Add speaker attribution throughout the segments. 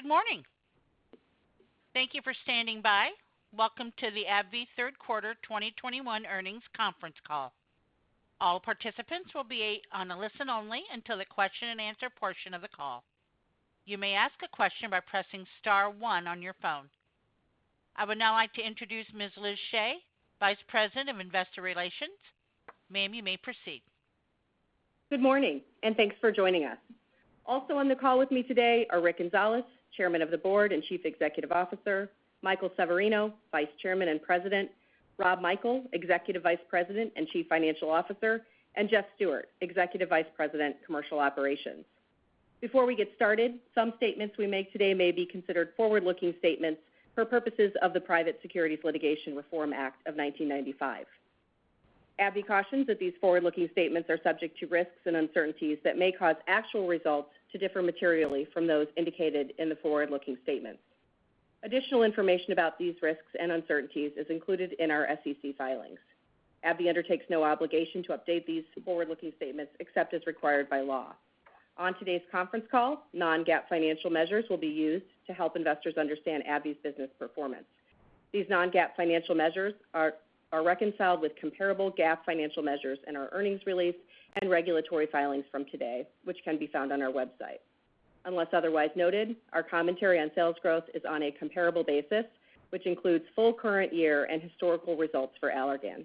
Speaker 1: Good morning. Thank you for standing by. Welcome to the AbbVie Third Quarter 2021 Earnings Conference Call. All participants will be on a listen only until the question-and-answer portion of the call. You may ask a question by pressing star one on your phone. I would now like to introduce Ms. Liz Shea, Vice President of Investor Relations. Ma'am, you may proceed.
Speaker 2: Good morning, and thanks for joining us. Also on the call with me today are Rick Gonzalez, Chairman of the Board and Chief Executive Officer, Michael Severino, Vice Chairman and President, Rob Michael, Executive Vice President and Chief Financial Officer, and Jeff Stewart, Executive Vice President, Commercial Operations. Before we get started, some statements we make today may be considered forward-looking statements for purposes of the Private Securities Litigation Reform Act of 1995. AbbVie cautions that these forward-looking statements are subject to risks and uncertainties that may cause actual results to differ materially from those indicated in the forward-looking statements. Additional information about these risks and uncertainties is included in our SEC filings. AbbVie undertakes no obligation to update these forward-looking statements except as required by law. On today's conference call, non-GAAP financial measures will be used to help investors understand AbbVie's business performance. These non-GAAP financial measures are reconciled with comparable GAAP financial measures in our earnings release and regulatory filings from today, which can be found on our website. Unless otherwise noted, our commentary on sales growth is on a comparable basis, which includes full current year and historical results for Allergan.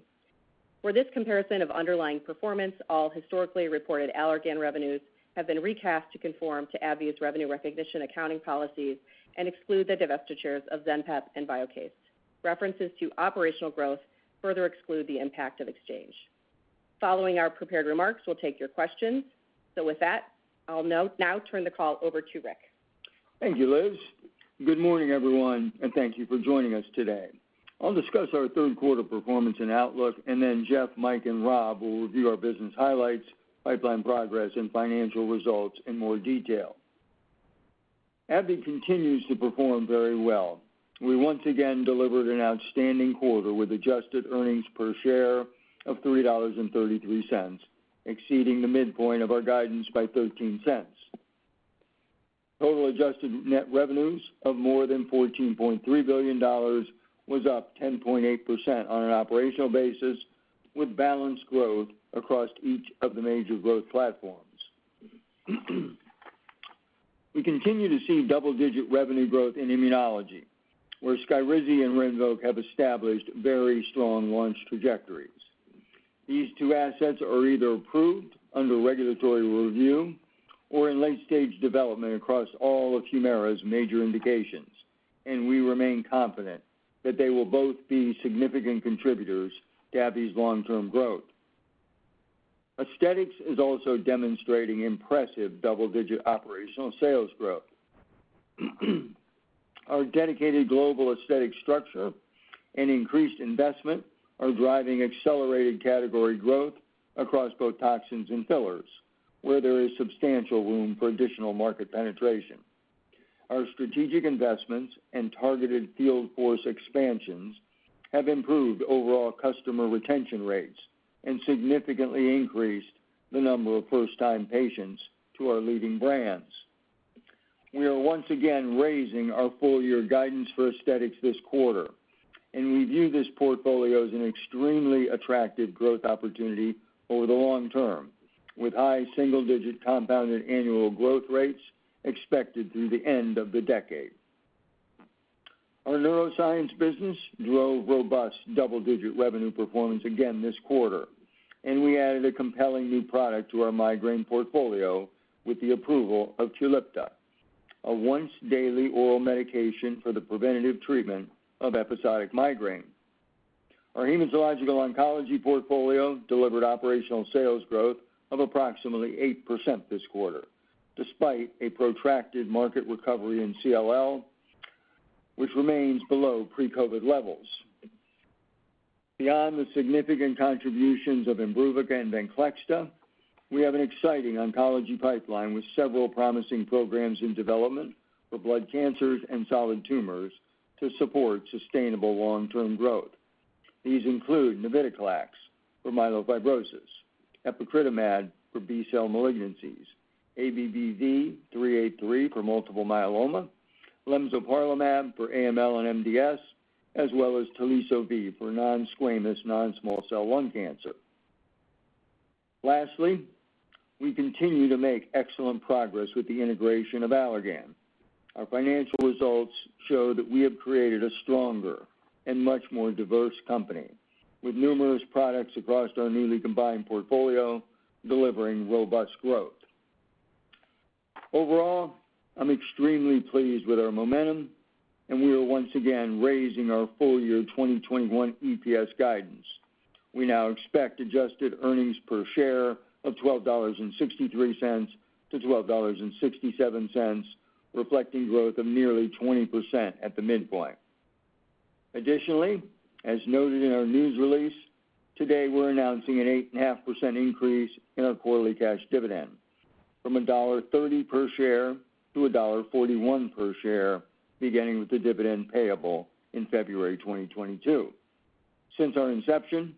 Speaker 2: For this comparison of underlying performance, all historically reported Allergan revenues have been recast to conform to AbbVie's revenue recognition accounting policies and exclude the divestitures of ZENPEP and VIOKACE. References to operational growth further exclude the impact of exchange. Following our prepared remarks, we'll take your questions. With that, I'll now turn the call over to Rick.
Speaker 3: Thank you, Liz. Good morning, everyone, and thank you for joining us today. I'll discuss our third quarter performance and outlook, and then Jeff, Mike, and Rob will review our business highlights, pipeline progress, and financial results in more detail. AbbVie continues to perform very well. We once again delivered an outstanding quarter with adjusted earnings per share of $3.33, exceeding the midpoint of our guidance by $0.13. Total adjusted net revenues of more than $14.3 billion was up 10.8% on an operational basis, with balanced growth across each of the major growth platforms. We continue to see double-digit revenue growth in immunology, where SKYRIZI and RINVOQ have established very strong launch trajectories. These two assets are either approved under regulatory review or in late-stage development across all of HUMIRA's major indications, and we remain confident that they will both be significant contributors to AbbVie's long-term growth. Aesthetics is also demonstrating impressive double-digit operational sales growth. Our dedicated global aesthetics structure and increased investment are driving accelerated category growth across both toxins and fillers, where there is substantial room for additional market penetration. Our strategic investments and targeted field force expansions have improved overall customer retention rates and significantly increased the number of first-time patients to our leading brands. We are once again raising our full year guidance for aesthetics this quarter, and we view this portfolio as an extremely attractive growth opportunity over the long term, with high single-digit compounded annual growth rates expected through the end of the decade. Our neuroscience business drove robust double-digit revenue performance again this quarter, and we added a compelling new product to our migraine portfolio with the approval of QULIPTA, a once-daily oral medication for the preventive treatment of episodic migraine. Our hematological oncology portfolio delivered operational sales growth of approximately 8% this quarter, despite a protracted market recovery in CLL, which remains below pre-COVID levels. Beyond the significant contributions of IMBRUVICA and VENCLEXTA, we have an exciting oncology pipeline with several promising programs in development for blood cancers and solid tumors to support sustainable long-term growth. These include Navitoclax for myelofibrosis, Epcoritamab for B-cell malignancies, ABBV-383 for multiple myeloma, lemzoparlimab for AML and MDS, as well as Teliso-V for non-squamous non-small cell lung cancer. Lastly, we continue to make excellent progress with the integration of Allergan. Our financial results show that we have created a stronger and much more diverse company with numerous products across our newly combined portfolio delivering robust growth. Overall, I'm extremely pleased with our momentum and we are once again raising our full year 2021 EPS guidance. We now expect adjusted earnings per share of $12.63-$12.67, reflecting growth of nearly 20% at the midpoint. Additionally, as noted in our news release, today we're announcing an 8.5% increase in our quarterly cash dividend from $1.30 per share to $1.41 per share, beginning with the dividend payable in February 2022. Since our inception,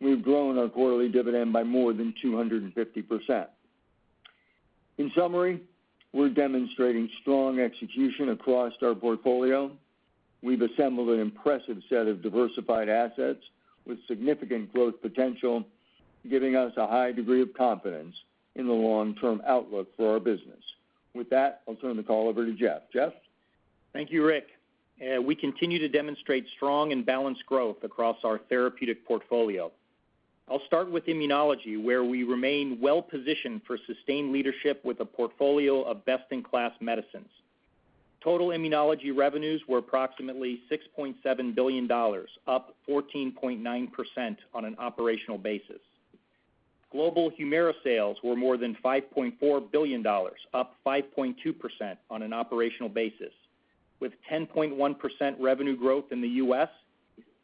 Speaker 3: we've grown our quarterly dividend by more than 250%. In summary, we're demonstrating strong execution across our portfolio. We've assembled an impressive set of diversified assets with significant growth potential, giving us a high degree of confidence in the long-term outlook for our business. With that, I'll turn the call over to Jeff. Jeff?
Speaker 4: Thank you, Rick. We continue to demonstrate strong and balanced growth across our therapeutic portfolio. I'll start with immunology, where we remain well-positioned for sustained leadership with a portfolio of best-in-class medicines. Total immunology revenues were approximately $6.7 billion, up 14.9% on an operational basis. Global HUMIRA sales were more than $5.4 billion, up 5.2% on an operational basis, with 10.1% revenue growth in the U.S.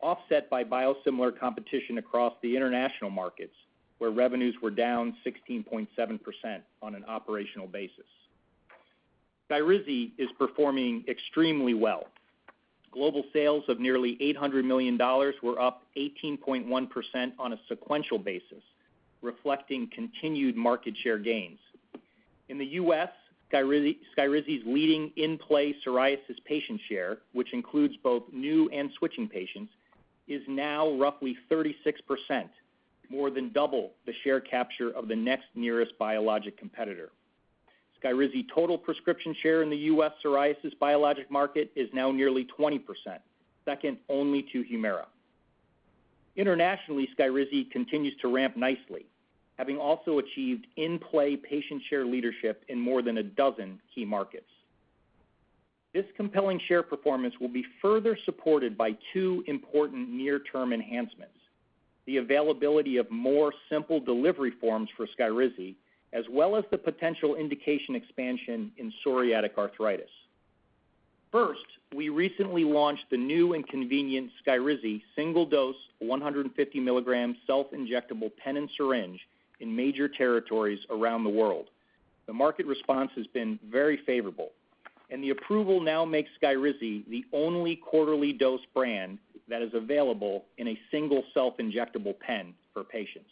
Speaker 4: offset by biosimilar competition across the international markets, where revenues were down 16.7% on an operational basis. SKYRIZI is performing extremely well. Global sales of nearly $800 million were up 18.1% on a sequential basis, reflecting continued market share gains. In the U.S., SKYRIZI'S leading in-play psoriasis patient share, which includes both new and switching patients, is now roughly 36%, more than double the share capture of the next nearest biologic competitor. SKYRIZI total prescription share in the U.S. psoriasis biologic market is now nearly 20%, second only to HUMIRA. Internationally, SKYRIZI continues to ramp nicely, having also achieved in-play patient share leadership in more than a dozen key markets. This compelling share performance will be further supported by two important near-term enhancements, the availability of more simple delivery forms for SKYRIZI, as well as the potential indication expansion in psoriatic arthritis. First, we recently launched the new and convenient SKYRIZI single-dose 150 mg self-injectable pen and syringe in major territories around the world. The market response has been very favorable, and the approval now makes SKYRIZI the only quarterly dose brand that is available in a single self-injectable pen for patients.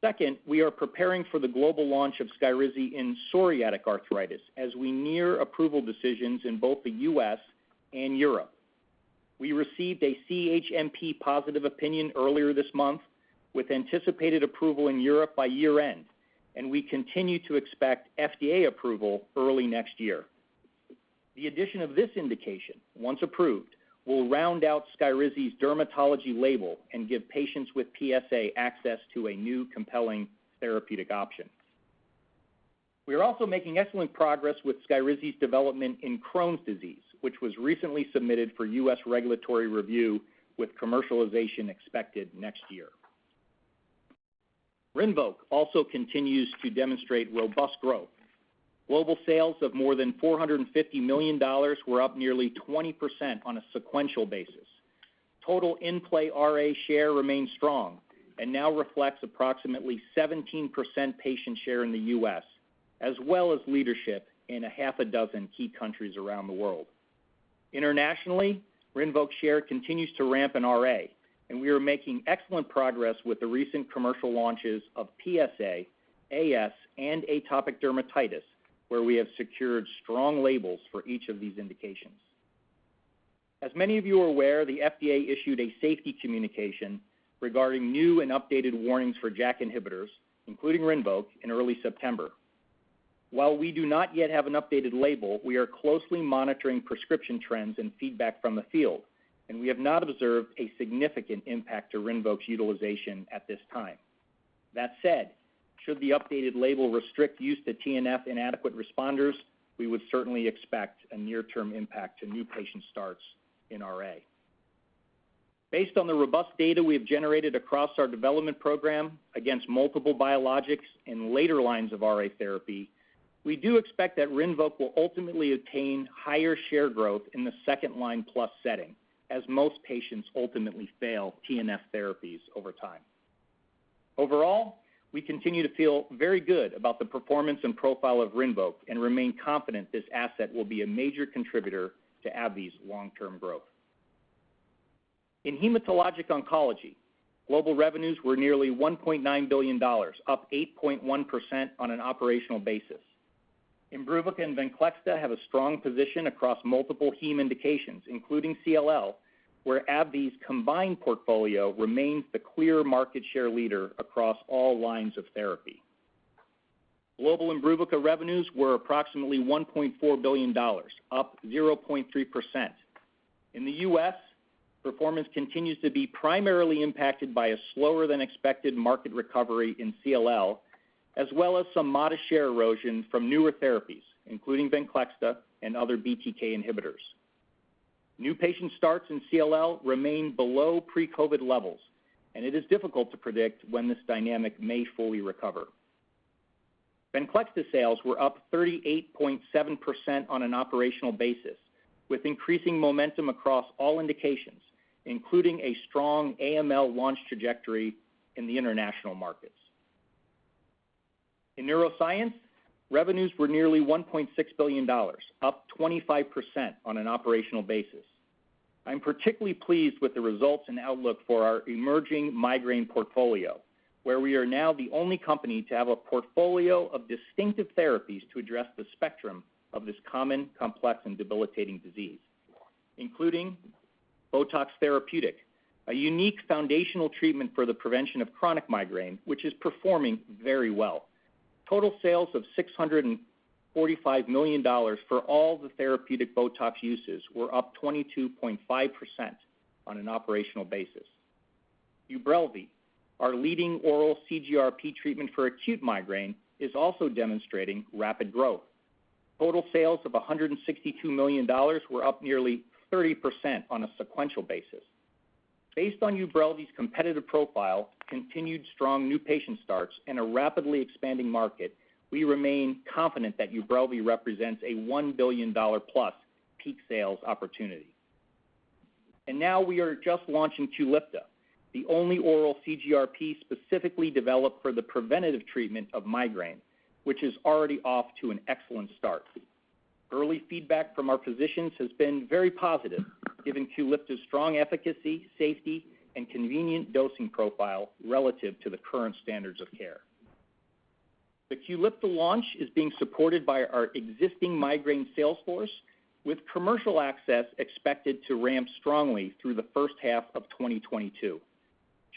Speaker 4: Second, we are preparing for the global launch of SKYRIZI in psoriatic arthritis as we near approval decisions in both the U.S. and Europe. We received a CHMP positive opinion earlier this month with anticipated approval in Europe by year-end, and we continue to expect FDA approval early next year. The addition of this indication, once approved, will round out SKYRIZI'S dermatology label and give patients with PSA access to a new compelling therapeutic option. We are also making excellent progress with SKYRIZI'S development in Crohn's disease, which was recently submitted for U.S. regulatory review with commercialization expected next year. RINVOQ also continues to demonstrate robust growth. Global sales of more than $450 million were up nearly 20% on a sequential basis. Total in-play RA share remains strong and now reflects approximately 17% patient share in the U.S., as well as leadership in half a dozen key countries around the world. Internationally, RINVOQ share continues to ramp in RA, and we are making excellent progress with the recent commercial launches of PSA, AS, and atopic dermatitis, where we have secured strong labels for each of these indications. As many of you are aware, the FDA issued a safety communication regarding new and updated warnings for JAK inhibitors, including RINVOQ, in early September. While we do not yet have an updated label, we are closely monitoring prescription trends and feedback from the field, and we have not observed a significant impact to RINVOQ'S utilization at this time. That said, should the updated label restrict use to TNF inadequate responders, we would certainly expect a near-term impact to new patient starts in RA. Based on the robust data we have generated across our development program against multiple biologics in later lines of RA therapy, we do expect that RINVOQ will ultimately attain higher share growth in the second-line plus setting as most patients ultimately fail TNF therapies over time. Overall, we continue to feel very good about the performance and profile of RINVOQ and remain confident this asset will be a major contributor to AbbVie's long-term growth. In hematologic oncology, global revenues were nearly $1.9 billion, up 8.1% on an operational basis. IMBRUVICA and VENCLEXTA have a strong position across multiple heme indications, including CLL, where AbbVie's combined portfolio remains the clear market share leader across all lines of therapy. Global IMBRUVICA revenues were approximately $1.4 billion, up 0.3%. In the U.S., performance continues to be primarily impacted by a slower-than-expected market recovery in CLL, as well as some modest share erosion from newer therapies, including VENCLEXTA and other BTK inhibitors. New patient starts in CLL remain below pre-COVID levels, and it is difficult to predict when this dynamic may fully recover. VENCLEXTA sales were up 38.7% on an operational basis, with increasing momentum across all indications, including a strong AML launch trajectory in the international markets. In neuroscience, revenues were nearly $1.6 billion, up 25% on an operational basis. I'm particularly pleased with the results and outlook for our emerging migraine portfolio, where we are now the only company to have a portfolio of distinctive therapies to address the spectrum of this common, complex, and debilitating disease. Including BOTOX therapeutic, a unique foundational treatment for the prevention of chronic migraine, which is performing very well. Total sales of $645 million for all the therapeutic BOTOX uses were up 22.5% on an operational basis. UBRELVY, our leading oral CGRP treatment for acute migraine, is also demonstrating rapid growth. Total sales of $162 million were up nearly 30% on a sequential basis. Based on UBRELVY'S competitive profile, continued strong new patient starts, and a rapidly expanding market, we remain confident that UBRELVY represents a $1+ billion peak sales opportunity. Now we are just launching QULIPTA, the only oral CGRP specifically developed for the preventative treatment of migraine, which is already off to an excellent start. Early feedback from our physicians has been very positive, given QULIPTA's strong efficacy, safety, and convenient dosing profile relative to the current standards of care. The QULIPTA launch is being supported by our existing migraine sales force, with commercial access expected to ramp strongly through the first half of 2022.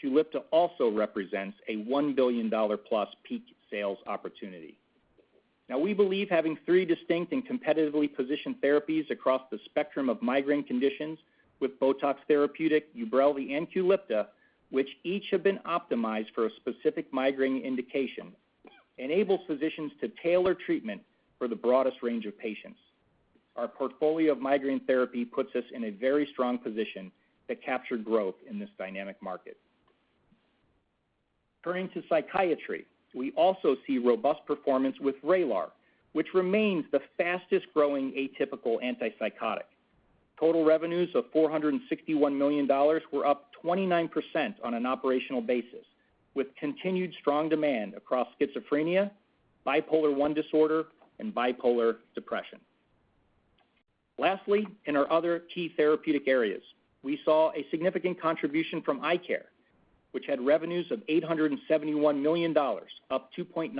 Speaker 4: QULIPTA also represents a $1+ billion peak sales opportunity. Now, we believe having three distinct and competitively positioned therapies across the spectrum of migraine conditions with BOTOX therapeutic, UBRELVY, and QULIPTA, which each have been optimized for a specific migraine indication, enables physicians to tailor treatment for the broadest range of patients. Our portfolio of migraine therapy puts us in a very strong position to capture growth in this dynamic market. Turning to psychiatry, we also see robust performance with VRAYLAR, which remains the fastest-growing atypical antipsychotic. Total revenues of $461 million were up 29% on an operational basis, with continued strong demand across schizophrenia, bipolar I disorder, and bipolar depression. Lastly, in our other key therapeutic areas, we saw a significant contribution from eye care, which had revenues of $871 million, up 2.9%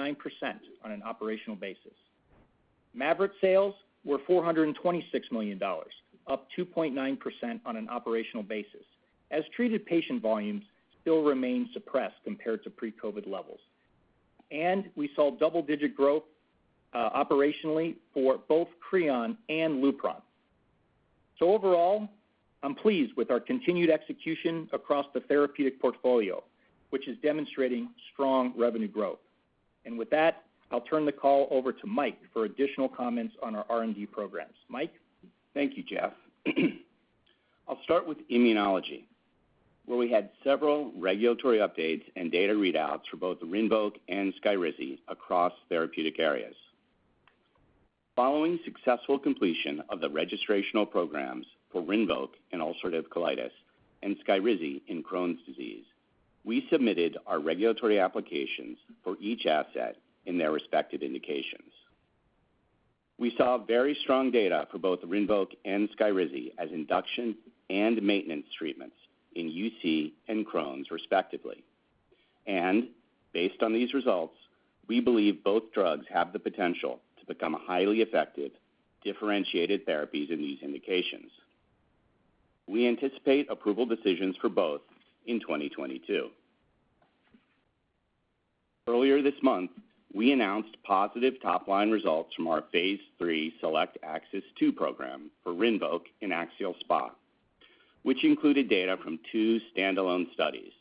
Speaker 4: on an operational basis. MAVYRET sales were $426 million, up 2.9% on an operational basis, as treated patient volumes still remain suppressed compared to pre-COVID levels. We saw double-digit growth operationally for both CREON and LUPRON. Overall, I'm pleased with our continued execution across the therapeutic portfolio, which is demonstrating strong revenue growth. With that, I'll turn the call over to Mike for additional comments on our R&D programs. Mike?
Speaker 5: Thank you, Jeff. I'll start with immunology, where we had several regulatory updates and data readouts for both RINVOQ and SKYRIZI across therapeutic areas. Following successful completion of the registrational programs for RINVOQ in ulcerative colitis and SKYRIZI in Crohn's disease, we submitted our regulatory applications for each asset in their respective indications. We saw very strong data for both RINVOQ and SKYRIZI as induction and maintenance treatments in UC and Crohn's respectively. Based on these results, we believe both drugs have the potential to become highly effective, differentiated therapies in these indications. We anticipate approval decisions for both in 2022. Earlier this month, we announced positive top-line results from our phase III SELECT-AXIS 2 program for RINVOQ in axial SpA, which included data from two standalone studies.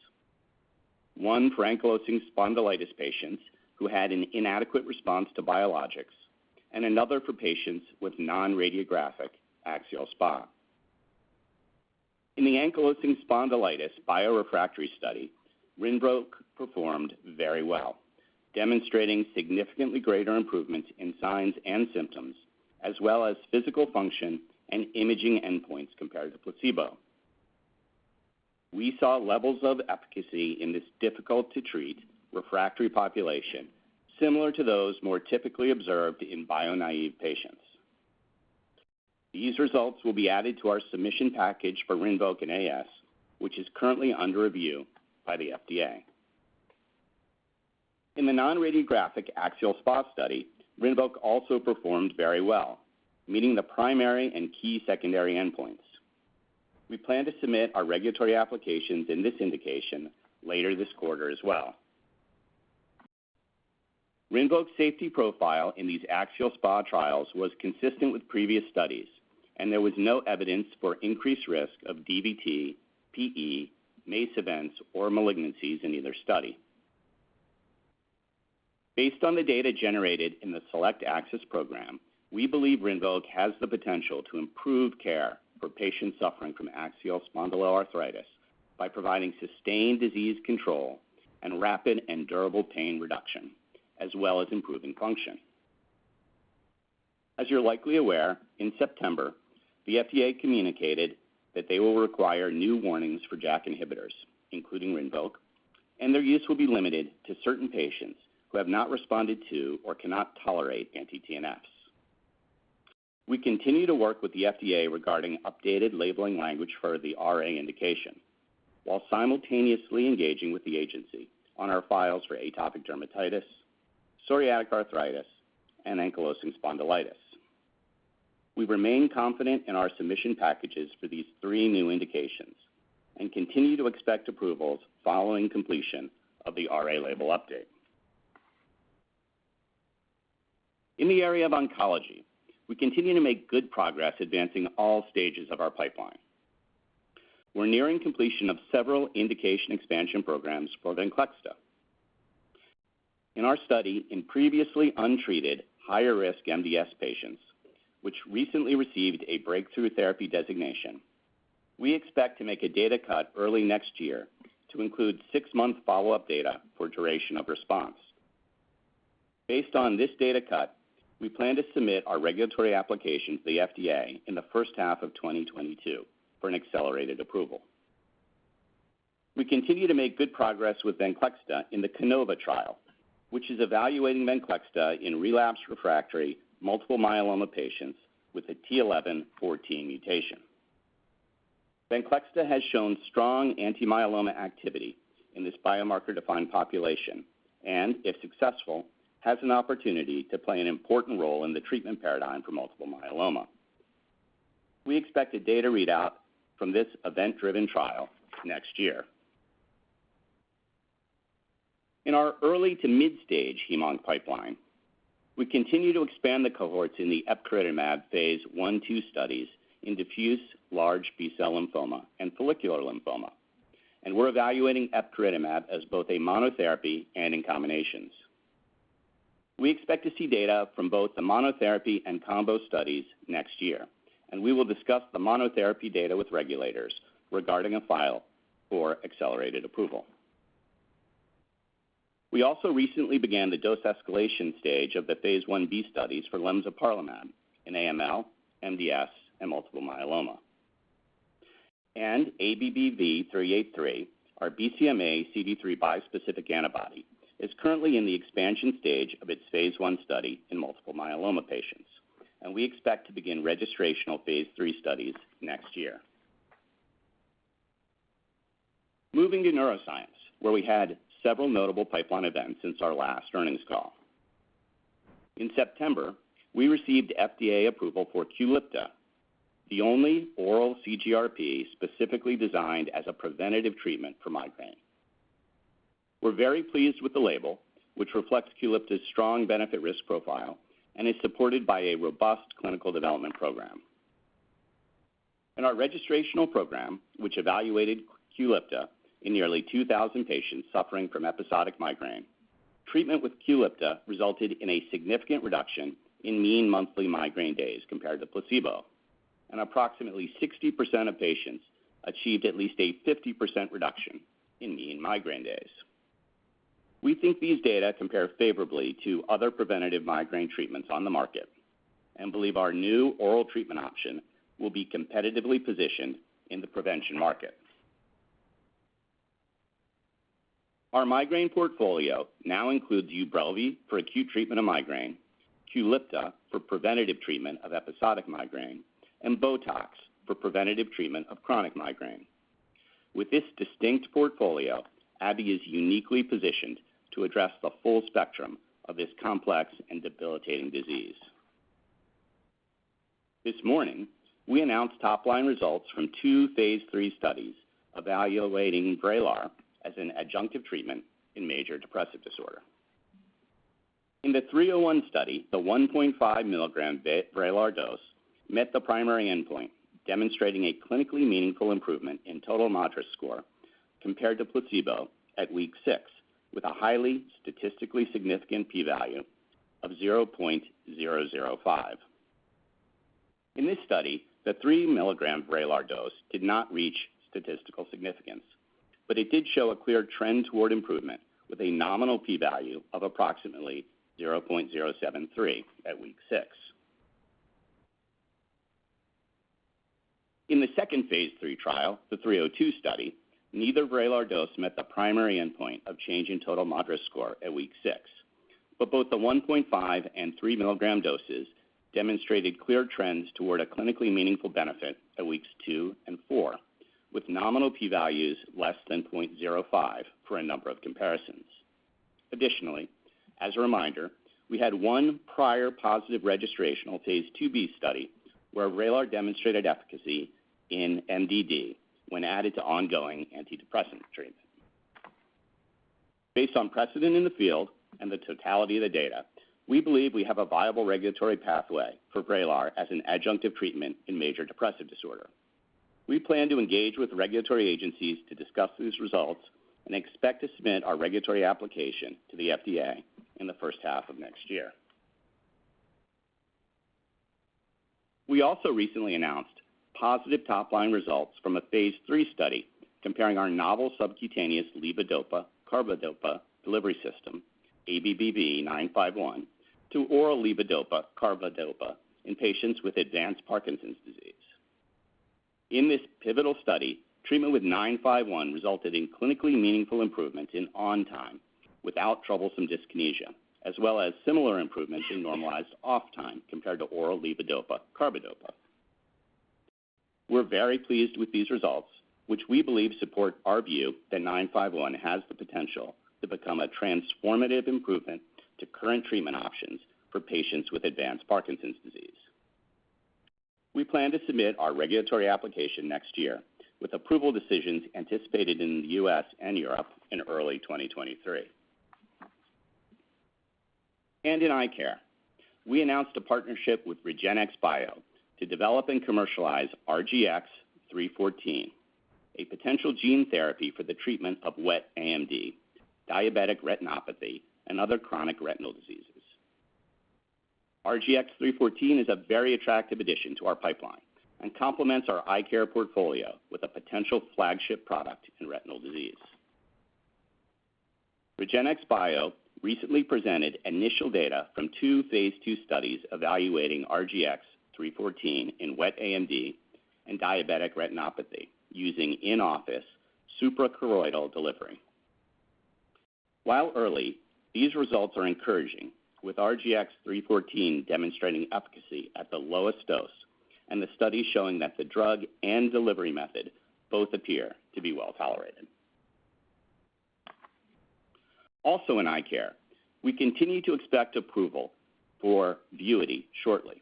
Speaker 5: One for ankylosing spondylitis patients who had an inadequate response to biologics, and another for patients with non-radiographic axial SpA. In the ankylosing spondylitis biologic-refractory study, RINVOQ performed very well, demonstrating significantly greater improvement in signs and symptoms, as well as physical function and imaging endpoints compared to placebo. We saw levels of efficacy in this difficult-to-treat refractory population similar to those more typically observed in bio-naive patients. These results will be added to our submission package for RINVOQ and AS, which is currently under review by the FDA. In the non-radiographic axial SpA study, RINVOQ also performed very well, meeting the primary and key secondary endpoints. We plan to submit our regulatory applications in this indication later this quarter as well. RINVOQ's safety profile in these axial SpA trials was consistent with previous studies, and there was no evidence for increased risk of DVT, PE, MACE events, or malignancies in either study. Based on the data generated in the SELECT-AXIS program, we believe RINVOQ has the potential to improve care for patients suffering from axial spondyloarthritis by providing sustained disease control and rapid and durable pain reduction, as well as improving function. As you're likely aware, in September, the FDA communicated that they will require new warnings for JAK inhibitors, including RINVOQ, and their use will be limited to certain patients who have not responded to or cannot tolerate anti-TNFs. We continue to work with the FDA regarding updated labeling language for the RA indication, while simultaneously engaging with the agency on our files for atopic dermatitis, psoriatic arthritis, and ankylosing spondylitis. We remain confident in our submission packages for these three new indications and continue to expect approvals following completion of the RA label update. In the area of oncology, we continue to make good progress advancing all stages of our pipeline. We're nearing completion of several indication expansion programs for VENCLEXTA. In our study in previously untreated higher-risk MDS patients, which recently received a breakthrough therapy designation, we expect to make a data cut early next year to include six-month follow-up data for duration of response. Based on this data cut, we plan to submit our regulatory application to the FDA in the first half of 2022 for an accelerated approval. We continue to make good progress with VENCLEXTA in the CANOVA trial, which is evaluating VENCLEXTA in relapsed refractory multiple myeloma patients with a t(11;14) mutation. VENCLEXTA has shown strong anti-myeloma activity in this biomarker-defined population and, if successful, has an opportunity to play an important role in the treatment paradigm for multiple myeloma. We expect a data readout from this event-driven trial next year. In our early to midstage hem-onc pipeline, we continue to expand the cohorts in the Epcoritamab phase I/II studies in diffuse large B-cell lymphoma and follicular lymphoma, and we're evaluating Epcoritamab as both a monotherapy and in combinations. We expect to see data from both the monotherapy and combo studies next year, and we will discuss the monotherapy data with regulators regarding a file for accelerated approval. We also recently began the dose escalation stage of the phase I-B studies for lemzoparlimab in AML, MDS, and multiple myeloma. ABBV-383, our BCMA CD3 bispecific antibody, is currently in the expansion stage of its phase I study in multiple myeloma patients, and we expect to begin registrational phase III studies next year. Moving to neuroscience, where we had several notable pipeline events since our last earnings call. In September, we received FDA approval for QULIPTA, the only oral CGRP specifically designed as a preventative treatment for migraine. We're very pleased with the label, which reflects QULIPTA's strong benefit risk profile and is supported by a robust clinical development program. In our registrational program, which evaluated QULIPTA in nearly 2,000 patients suffering from episodic migraine, treatment with QULIPTA resulted in a significant reduction in mean monthly migraine days compared to placebo, and approximately 60% of patients achieved at least a 50% reduction in mean migraine days. We think these data compare favorably to other preventative migraine treatments on the market and believe our new oral treatment option will be competitively positioned in the prevention market. Our migraine portfolio now includes UBRELVY for acute treatment of migraine, QULIPTA for preventative treatment of episodic migraine, and BOTOX for preventative treatment of chronic migraine. With this distinct portfolio, AbbVie is uniquely positioned to address the full spectrum of this complex and debilitating disease. This morning, we announced top-line results from two phase III studies evaluating VRAYLAR as an adjunctive treatment in major depressive disorder. In the 301 study, the 1.5-mg VRAYLAR dose met the primary endpoint, demonstrating a clinically meaningful improvement in total MADRS score compared to placebo at week 6, with a highly statistically significant P value of 0.005. In this study, the 3-mg VRAYLAR dose did not reach statistical significance, but it did show a clear trend toward improvement with a nominal P value of approximately 0.073 at week six. In the second phase III trial, the 302 study, neither VRAYLAR dose met the primary endpoint of change in total MADRS score at week six, but both the 1.5-mg and 3-mg doses demonstrated clear trends toward a clinically meaningful benefit at weeks two and four, with nominal P values less than 0.05 for a number of comparisons. Additionally, as a reminder, we had one prior positive registrational phase II-B study where VRAYLAR demonstrated efficacy in MDD when added to ongoing antidepressant treatment. Based on precedent in the field and the totality of the data, we believe we have a viable regulatory pathway for VRAYLAR as an adjunctive treatment in major depressive disorder. We plan to engage with regulatory agencies to discuss these results and expect to submit our regulatory application to the FDA in the first half of next year. We also recently announced positive top-line results from a phase III study comparing our novel subcutaneous levodopa carbidopa delivery system, ABBV-951, to oral levodopa carbidopa in patients with advanced Parkinson's disease. In this pivotal study, treatment with ABBV-951 resulted in clinically meaningful improvement in on time without troublesome dyskinesia, as well as similar improvements in normalized off-time compared to oral levodopa carbidopa. We're very pleased with these results, which we believe support our view that ABBV-951 has the potential to become a transformative improvement to current treatment options for patients with advanced Parkinson's disease. We plan to submit our regulatory application next year, with approval decisions anticipated in the U.S. and Europe in early 2023. In eye care, we announced a partnership with REGENXBIO to develop and commercialize RGX-314, a potential gene therapy for the treatment of wet AMD, diabetic retinopathy, and other chronic retinal diseases. RGX-314 is a very attractive addition to our pipeline and complements our eye care portfolio with a potential flagship product in retinal disease. REGENXBIO recently presented initial data from two phase II studies evaluating RGX-314 in wet AMD and diabetic retinopathy using in-office suprachoroidal delivery. While early, these results are encouraging, with RGX-314 demonstrating efficacy at the lowest dose and the study showing that the drug and delivery method both appear to be well tolerated. Also in eye care, we continue to expect approval for VUITY shortly,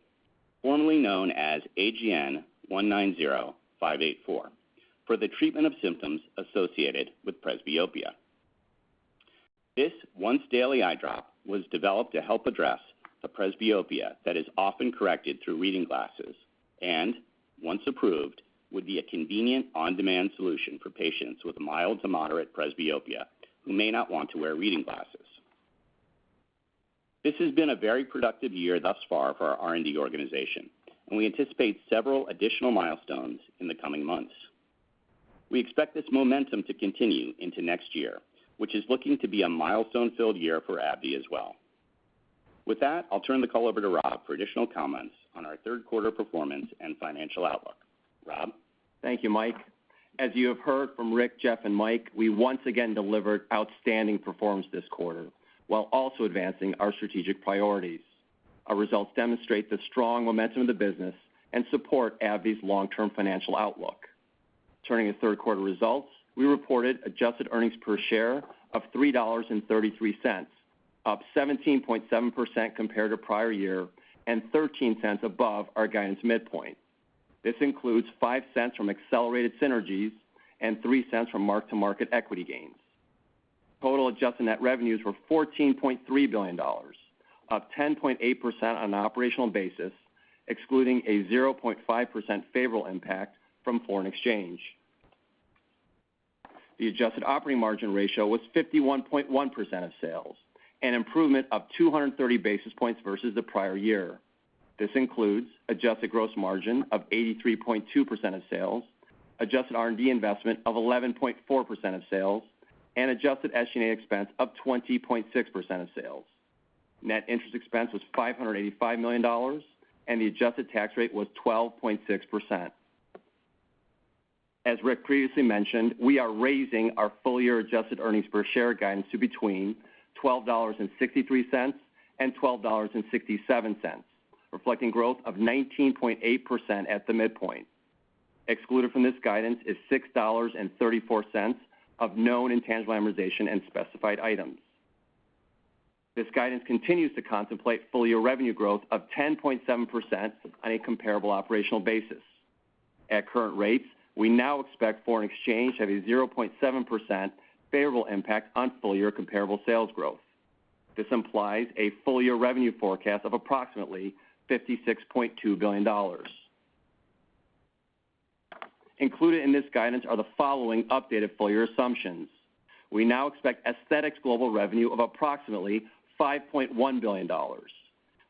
Speaker 5: formerly known as AGN-190584, for the treatment of symptoms associated with presbyopia. This once-daily eye drop was developed to help address the presbyopia that is often corrected through reading glasses and, once approved, would be a convenient on-demand solution for patients with mild to moderate presbyopia who may not want to wear reading glasses. This has been a very productive year thus far for our R&D organization, and we anticipate several additional milestones in the coming months. We expect this momentum to continue into next year, which is looking to be a milestone-filled year for AbbVie as well. With that, I'll turn the call over to Rob for additional comments on our third quarter performance and financial outlook. Rob?
Speaker 6: Thank you, Mike. As you have heard from Rick, Jeff, and Mike, we once again delivered outstanding performance this quarter while also advancing our strategic priorities. Our results demonstrate the strong momentum of the business and support AbbVie's long-term financial outlook. Turning to third quarter results, we reported adjusted earnings per share of $3.33, up 17.7% compared to prior year and $0.13 above our guidance midpoint. This includes $0.5 from accelerated synergies and $0.3 from mark-to-market equity gains. Total adjusted net revenues were $14.3 billion, up 10.8% on an operational basis, excluding a 0.5% favorable impact from foreign exchange. The adjusted operating margin ratio was 51.1% of sales, an improvement of 230 basis points versus the prior year. This includes adjusted gross margin of 83.2% of sales, adjusted R&D investment of 11.4% of sales, and adjusted SG&A expense of 20.6% of sales. Net interest expense was $585 million, and the adjusted tax rate was 12.6%. As Rick previously mentioned, we are raising our full-year adjusted earnings per share guidance to between $12.63 and $12.67, reflecting growth of 19.8% at the midpoint. Excluded from this guidance is $6.34 of known intangible amortization and specified items. This guidance continues to contemplate full-year revenue growth of 10.7% on a comparable operational basis. At current rates, we now expect foreign exchange to have a 0.7% favorable impact on full-year comparable sales growth. This implies a full-year revenue forecast of approximately $56.2 billion. Included in this guidance are the following updated full-year assumptions. We now expect Aesthetics global revenue of approximately $5.1 billion.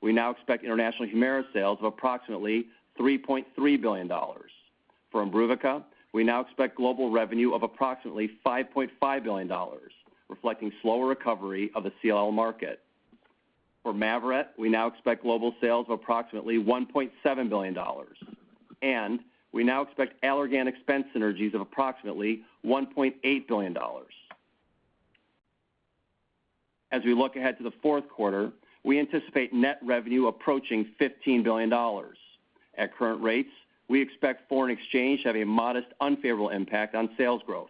Speaker 6: We now expect international HUMIRA sales of approximately $3.3 billion. For IMBRUVICA, we now expect global revenue of approximately $5.5 billion, reflecting slower recovery of the CLL market. For MAVYRET, we now expect global sales of approximately $1.7 billion, and we now expect Allergan expense synergies of approximately $1.8 billion. As we look ahead to the fourth quarter, we anticipate net revenue approaching $15 billion. At current rates, we expect foreign exchange to have a modest unfavorable impact on sales growth.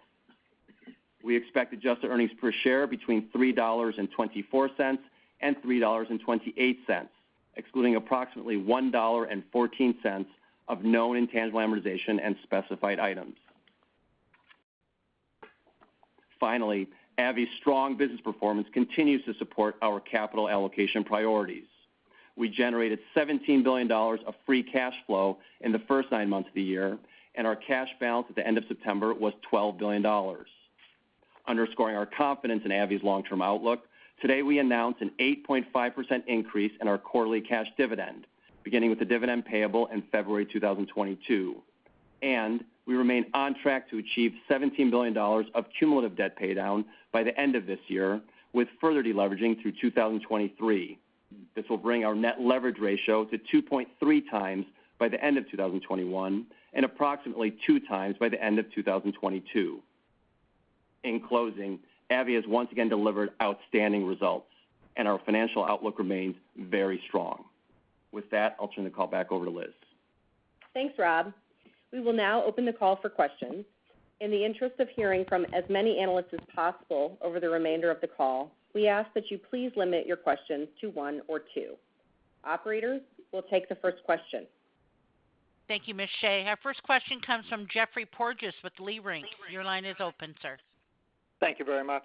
Speaker 6: We expect adjusted earnings per share between $3.24 and $3.28, excluding approximately $1.14 of known intangible amortization and specified items. Finally, AbbVie's strong business performance continues to support our capital allocation priorities. We generated $17 billion of free cash flow in the first nine months of the year, and our cash balance at the end of September was $12 billion. Underscoring our confidence in AbbVie's long-term outlook, today we announced an 8.5% increase in our quarterly cash dividend, beginning with the dividend payable in February 2022. We remain on track to achieve $17 billion of cumulative debt pay down by the end of this year, with further deleveraging through 2023. This will bring our net leverage ratio to 2.3x by the end of 2021, and approximately 2x by the end of 2022. In closing, AbbVie has once again delivered outstanding results and our financial outlook remains very strong. With that, I'll turn the call back over to Liz.
Speaker 2: Thanks, Rob. We will now open the call for questions. In the interest of hearing from as many analysts as possible over the remainder of the call, we ask that you please limit your questions to one or two. Operator, we'll take the first question.
Speaker 1: Thank you, Ms. Shea. Our first question comes from Geoffrey Porges with Leerink. Your line is open, sir.
Speaker 7: Thank you very much.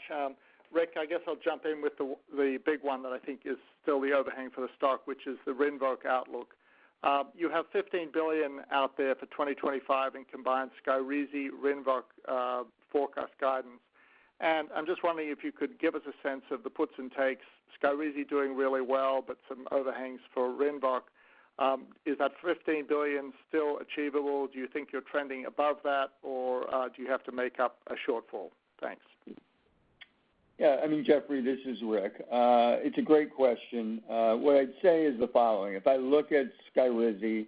Speaker 7: Rick, I guess I'll jump in with the big one that I think is still the overhang for the stock, which is the RINVOQ outlook. You have $15 billion out there for 2025 in combined SKYRIZI-RINVOQ forecast guidance, and I'm just wondering if you could give us a sense of the puts and takes. SKYRIZI doing really well, but some overhangs for RINVOQ. Is that $15 billion still achievable? Do you think you're trending above that or do you have to make up a shortfall? Thanks.
Speaker 3: Yeah, I mean, Geoffrey, this is Rick. It's a great question. What I'd say is the following. If I look at SKYRIZI,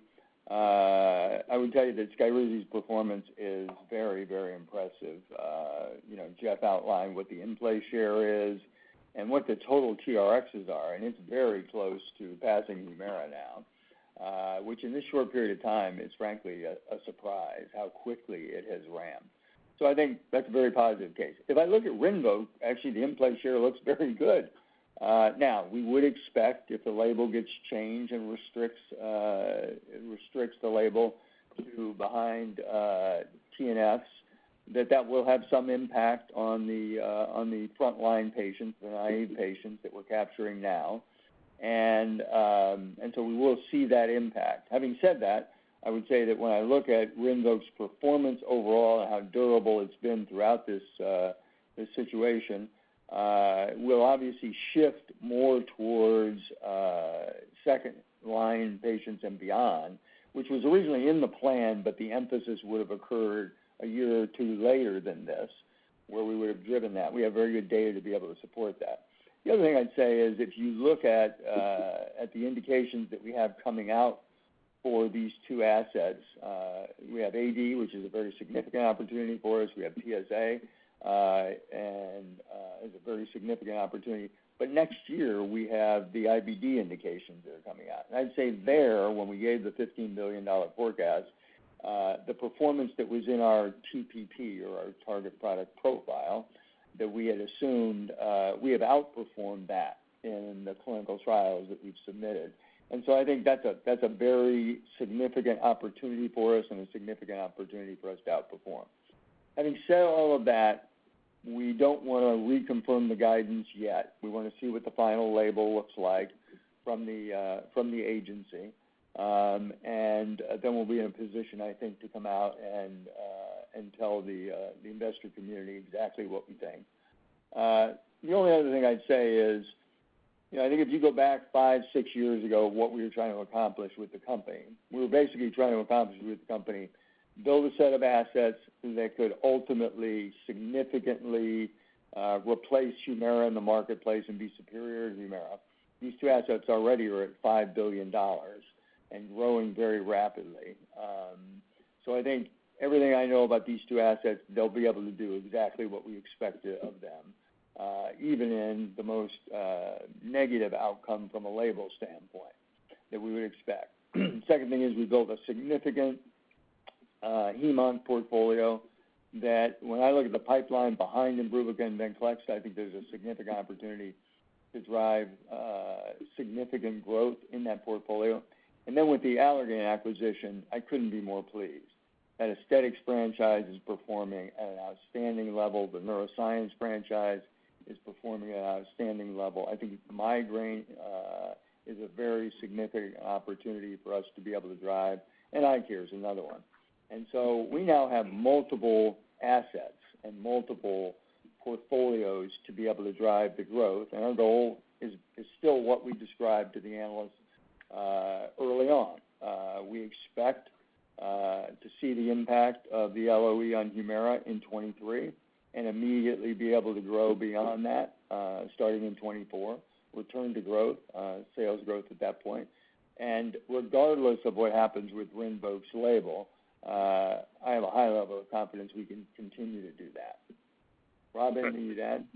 Speaker 3: I would tell you that SKYRIZI'S performance is very, very impressive. You know, Jeff outlined what the in-place share is and what the total TRx are, and it's very close to passing HUMIRA now, which in this short period of time is frankly a surprise how quickly it has ramped. So I think that's a very positive case. If I look at RINVOQ, actually the in-place share looks very good. Now we would expect if the label gets changed and restricts the label to behind TNFs, that will have some impact on the on the front line patients, the IA patients that we're capturing now. We will see that impact. Having said that, I would say that when I look at RINVOQ'S performance overall and how durable it's been throughout this situation, we'll obviously shift more towards second line patients and beyond, which was originally in the plan, but the emphasis would have occurred a year or two later than this, where we would have driven that. We have very good data to be able to support that. The other thing I'd say is if you look at the indications that we have coming out for these two assets, we have AD, which is a very significant opportunity for us. We have PSA, which is a very significant opportunity. But next year, we have the IBD indications that are coming out. I'd say there, when we gave the $15 billion forecast, the performance that was in our TPP or our target product profile that we had assumed, we have outperformed that in the clinical trials that we've submitted. I think that's a very significant opportunity for us and a significant opportunity for us to outperform. Having said all of that, we don't wanna reconfirm the guidance yet. We wanna see what the final label looks like from the agency. Then we'll be in a position, I think, to come out and tell the investor community exactly what we think. The only other thing I'd say is, you know, I think if you go back five, six years ago, what we were basically trying to accomplish with the company, build a set of assets that could ultimately significantly replace HUMIRA in the marketplace and be superior to HUMIRA. These two assets already are at $5 billion and growing very rapidly. I think everything I know about these two assets, they'll be able to do exactly what we expected of them, even in the most negative outcome from a label standpoint that we would expect. Second thing is we built a significant hem-on portfolio that when I look at the pipeline behind IMBRUVICA and VENCLEXTA, I think there's a significant opportunity to drive significant growth in that portfolio. Then with the Allergan acquisition, I couldn't be more pleased. That aesthetics franchise is performing at an outstanding level. The neuroscience franchise is performing at an outstanding level. I think migraine is a very significant opportunity for us to be able to drive, and eye care is another one. We now have multiple assets and multiple portfolios to be able to drive the growth. Our goal is still what we described to the analysts early on. We expect to see the impact of the LOE on HUMIRA in 2023 and immediately be able to grow beyond that starting in 2024, return to sales growth at that point. Regardless of what happens with RINVOQ's label, I have a high level of confidence we can continue to do that. Rob, anything to add?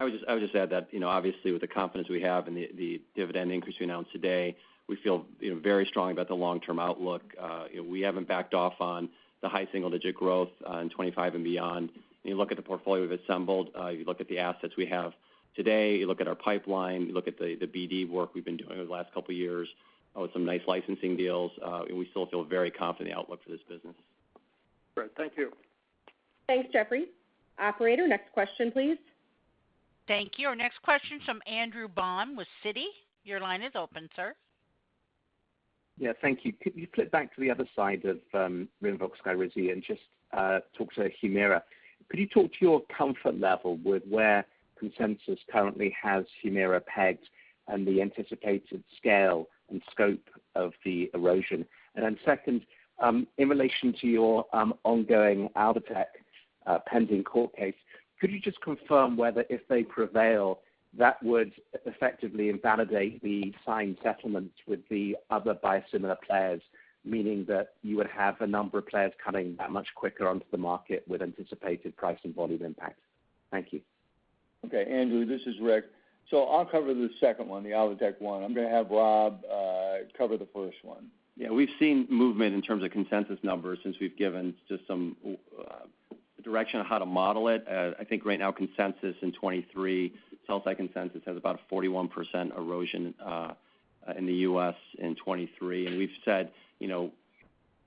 Speaker 6: I would just add that, you know, obviously with the confidence we have in the dividend increase we announced today, we feel, you know, very strongly about the long-term outlook. You know, we haven't backed off on the high single-digit growth on 2025 and beyond. You look at the portfolio we've assembled, you look at the assets we have today, you look at our pipeline, you look at the BD work we've been doing over the last couple of years with some nice licensing deals, and we still feel very confident in the outlook for this business.
Speaker 7: Great. Thank you.
Speaker 2: Thanks, Geoffrey. Operator, next question, please.
Speaker 1: Thank you. Our next question's from Andrew Baum with Citi. Your line is open, sir.
Speaker 8: Yeah, thank you. Could you flip back to the other side of RINVOQ, SKYRIZI, and just talk to HUMIRA. Could you talk to your comfort level with where consensus currently has HUMIRA pegged and the anticipated scale and scope of the erosion? Second, in relation to your ongoing Alvotech pending court case, could you just confirm whether if they prevail, that would effectively invalidate the signed settlements with the other biosimilar players, meaning that you would have a number of players coming that much quicker onto the market with anticipated price and volume impacts? Thank you.
Speaker 3: Okay, Andrew, this is Rick. I'll cover the second one, the Alvotech one. I'm gonna have Rob cover the first one.
Speaker 6: Yeah, we've seen movement in terms of consensus numbers since we've given just some direction on how to model it. I think right now consensus in 2023, sell-side consensus has about a 41% erosion in the U.S. in 2023. We've said, you know,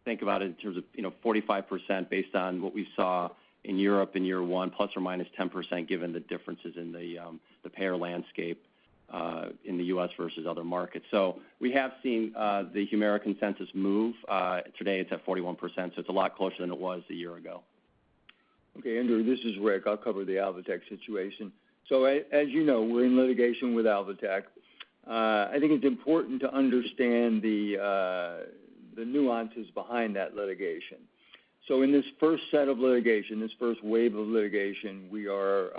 Speaker 6: think about it in terms of, you know, 45% based on what we saw in Europe in year one, ±10% given the differences in the payer landscape in the U.S. versus other markets. We have seen the HUMIRA consensus move. Today it's at 41%, so it's a lot closer than it was a year ago.
Speaker 3: Okay, Andrew, this is Rick. I'll cover the Alvotech situation. As you know, we're in litigation with Alvotech. I think it's important to understand the nuances behind that litigation. In this first set of litigation, this first wave of litigation, we are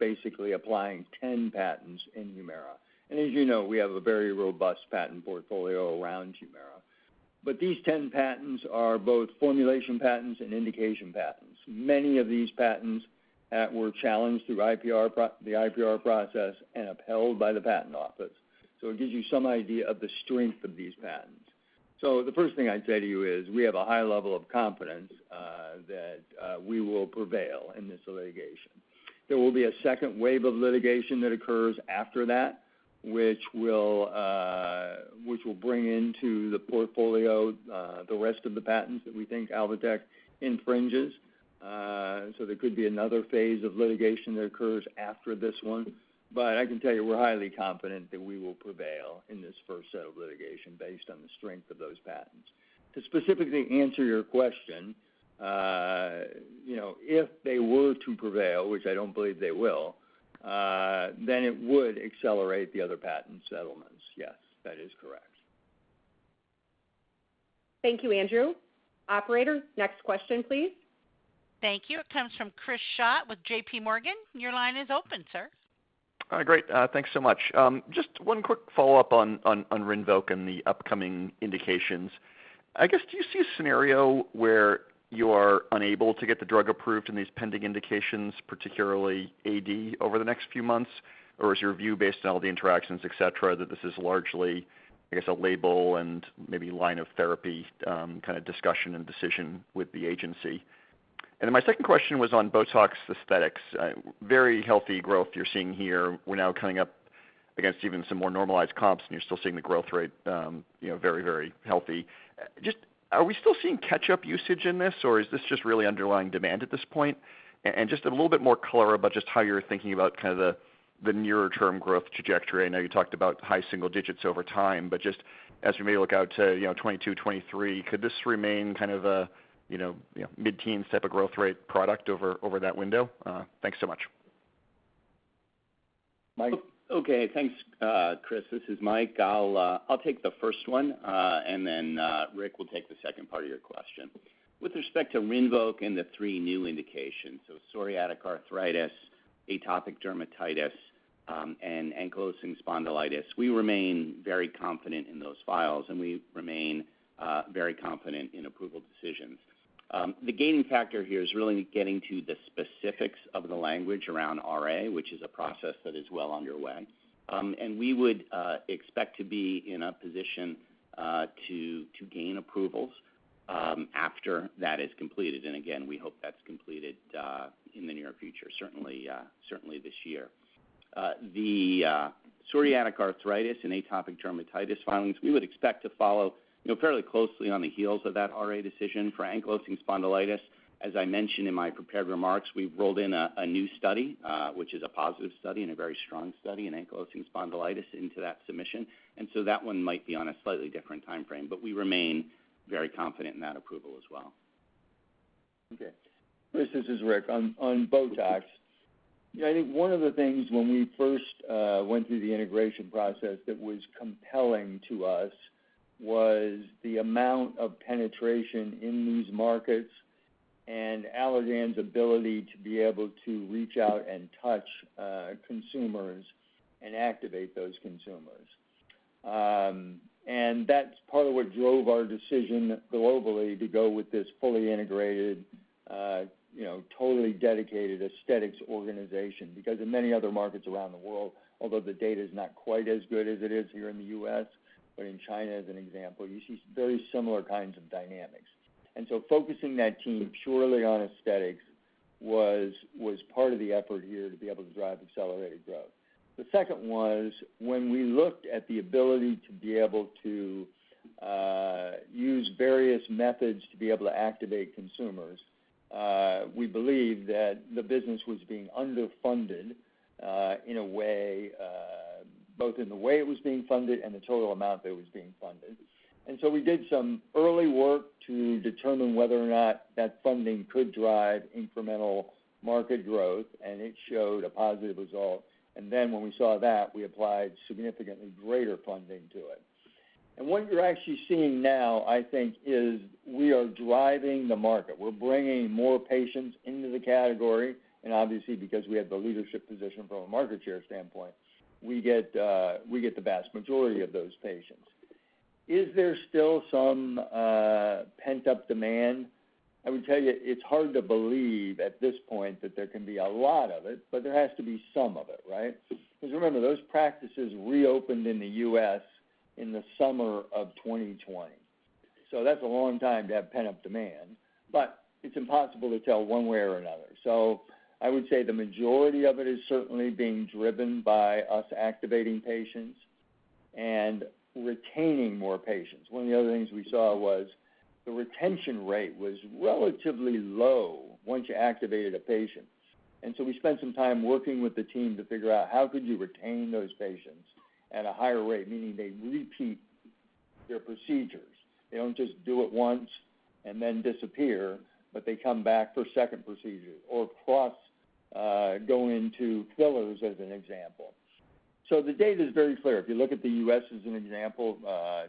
Speaker 3: basically applying 10 patents in HUMIRA. As you know, we have a very robust patent portfolio around HUMIRA. These 10 patents are both formulation patents and indication patents. Many of these patents were challenged through the IPR process and upheld by the patent office. It gives you some idea of the strength of these patents. The first thing I'd say to you is we have a high level of confidence that we will prevail in this litigation. There will be a second wave of litigation that occurs after that, which will bring into the portfolio the rest of the patents that we think Alvotech infringes. There could be another phase of litigation that occurs after this one. I can tell you we're highly confident that we will prevail in this first set of litigation based on the strength of those patents. To specifically answer your question, you know, if they were to prevail, which I don't believe they will, then it would accelerate the other patent settlements. Yes, that is correct.
Speaker 2: Thank you, Andrew. Operator, next question, please.
Speaker 1: Thank you. It comes from Chris Schott with JPMorgan. Your line is open, sir.
Speaker 9: Great. Thanks so much. Just one quick follow-up on RINVOQ and the upcoming indications. I guess, do you see a scenario where you are unable to get the drug approved in these pending indications, particularly AD over the next few months? Or is your view based on all the interactions, etc., that this is largely, I guess, a label and maybe line of therapy, kind of discussion and decision with the agency? My second question was on BOTOX aesthetics. Very healthy growth you're seeing here. We're now coming up against even some more normalized comps, and you're still seeing the growth rate, very, very healthy. Just are we still seeing catch-up usage in this, or is this just really underlying demand at this point? Just a little bit more color about just how you're thinking about kind of the nearer term growth trajectory. I know you talked about high single digits over time, but just as we maybe look out to, you know, 2022, 2023, could this remain kind of a, you know, mid-teens type of growth rate product over that window? Thanks so much.
Speaker 3: Mike?
Speaker 5: Okay, thanks, Chris. This is Mike. I'll take the first one, and then Rick will take the second part of your question. With respect to RINVOQ and the three new indications, so psoriatic arthritis, atopic dermatitis, and ankylosing spondylitis, we remain very confident in those filings, and we remain very confident in approval decisions. The gating factor here is really getting to the specifics of the language around RA, which is a process that is well underway. We would expect to be in a position to gain approvals after that is completed. Again, we hope that's completed in the near future, certainly this year. The psoriatic arthritis and atopic dermatitis filings, we would expect to follow, you know, fairly closely on the heels of that RA decision. For ankylosing spondylitis, as I mentioned in my prepared remarks, we've rolled in a new study, which is a positive study and a very strong study in ankylosing spondylitis into that submission. That one might be on a slightly different timeframe, but we remain very confident in that approval as well.
Speaker 3: Okay. Chris, this is Rick. On BOTOX, I think one of the things when we first went through the integration process that was compelling to us was the amount of penetration in these markets and Allergan's ability to be able to reach out and touch consumers and activate those consumers. And that's part of what drove our decision globally to go with this fully integrated, you know, totally dedicated aesthetics organization. Because in many other markets around the world, although the data is not quite as good as it is here in the U.S., but in China, as an example, you see very similar kinds of dynamics. Focusing that team purely on aesthetics was part of the effort here to be able to drive accelerated growth. The second was when we looked at the ability to be able to use various methods to be able to activate consumers. We believe that the business was being underfunded, in a way, both in the way it was being funded and the total amount that was being funded. We did some early work to determine whether or not that funding could drive incremental market growth, and it showed a positive result. When we saw that, we applied significantly greater funding to it. What you're actually seeing now, I think, is we are driving the market. We're bringing more patients into the category, and obviously, because we have the leadership position from a market share standpoint, we get the vast majority of those patients. Is there still some pent-up demand? I would tell you it's hard to believe at this point that there can be a lot of it, but there has to be some of it, right? Because remember, those practices reopened in the U.S. in the summer of 2020. That's a long time to have pent-up demand, but it's impossible to tell one way or another. I would say the majority of it is certainly being driven by us activating patients and retaining more patients. One of the other things we saw was the retention rate was relatively low once you activated a patient. We spent some time working with the team to figure out how could you retain those patients at a higher rate, meaning they repeat their procedures. They don't just do it once and then disappear, but they come back for second procedure or plus, go into fillers as an example. The data is very clear. If you look at the U.S. as an example,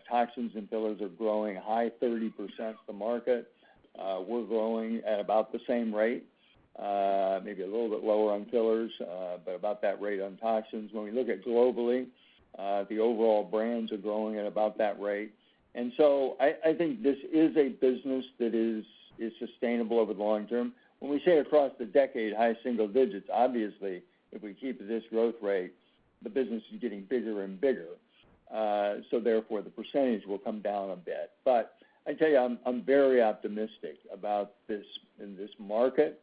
Speaker 3: toxins and fillers are growing at high 30s% in the market. We're growing at about the same rate, maybe a little bit lower on fillers, but about that rate on toxins. When we look globally, the overall brands are growing at about that rate. I think this is a business that is sustainable over the long term. When we say across the decade, high single digits%, obviously, if we keep this growth rate, the business is getting bigger and bigger, so therefore, the percentage will come down a bit. I tell you, I'm very optimistic about this, in this market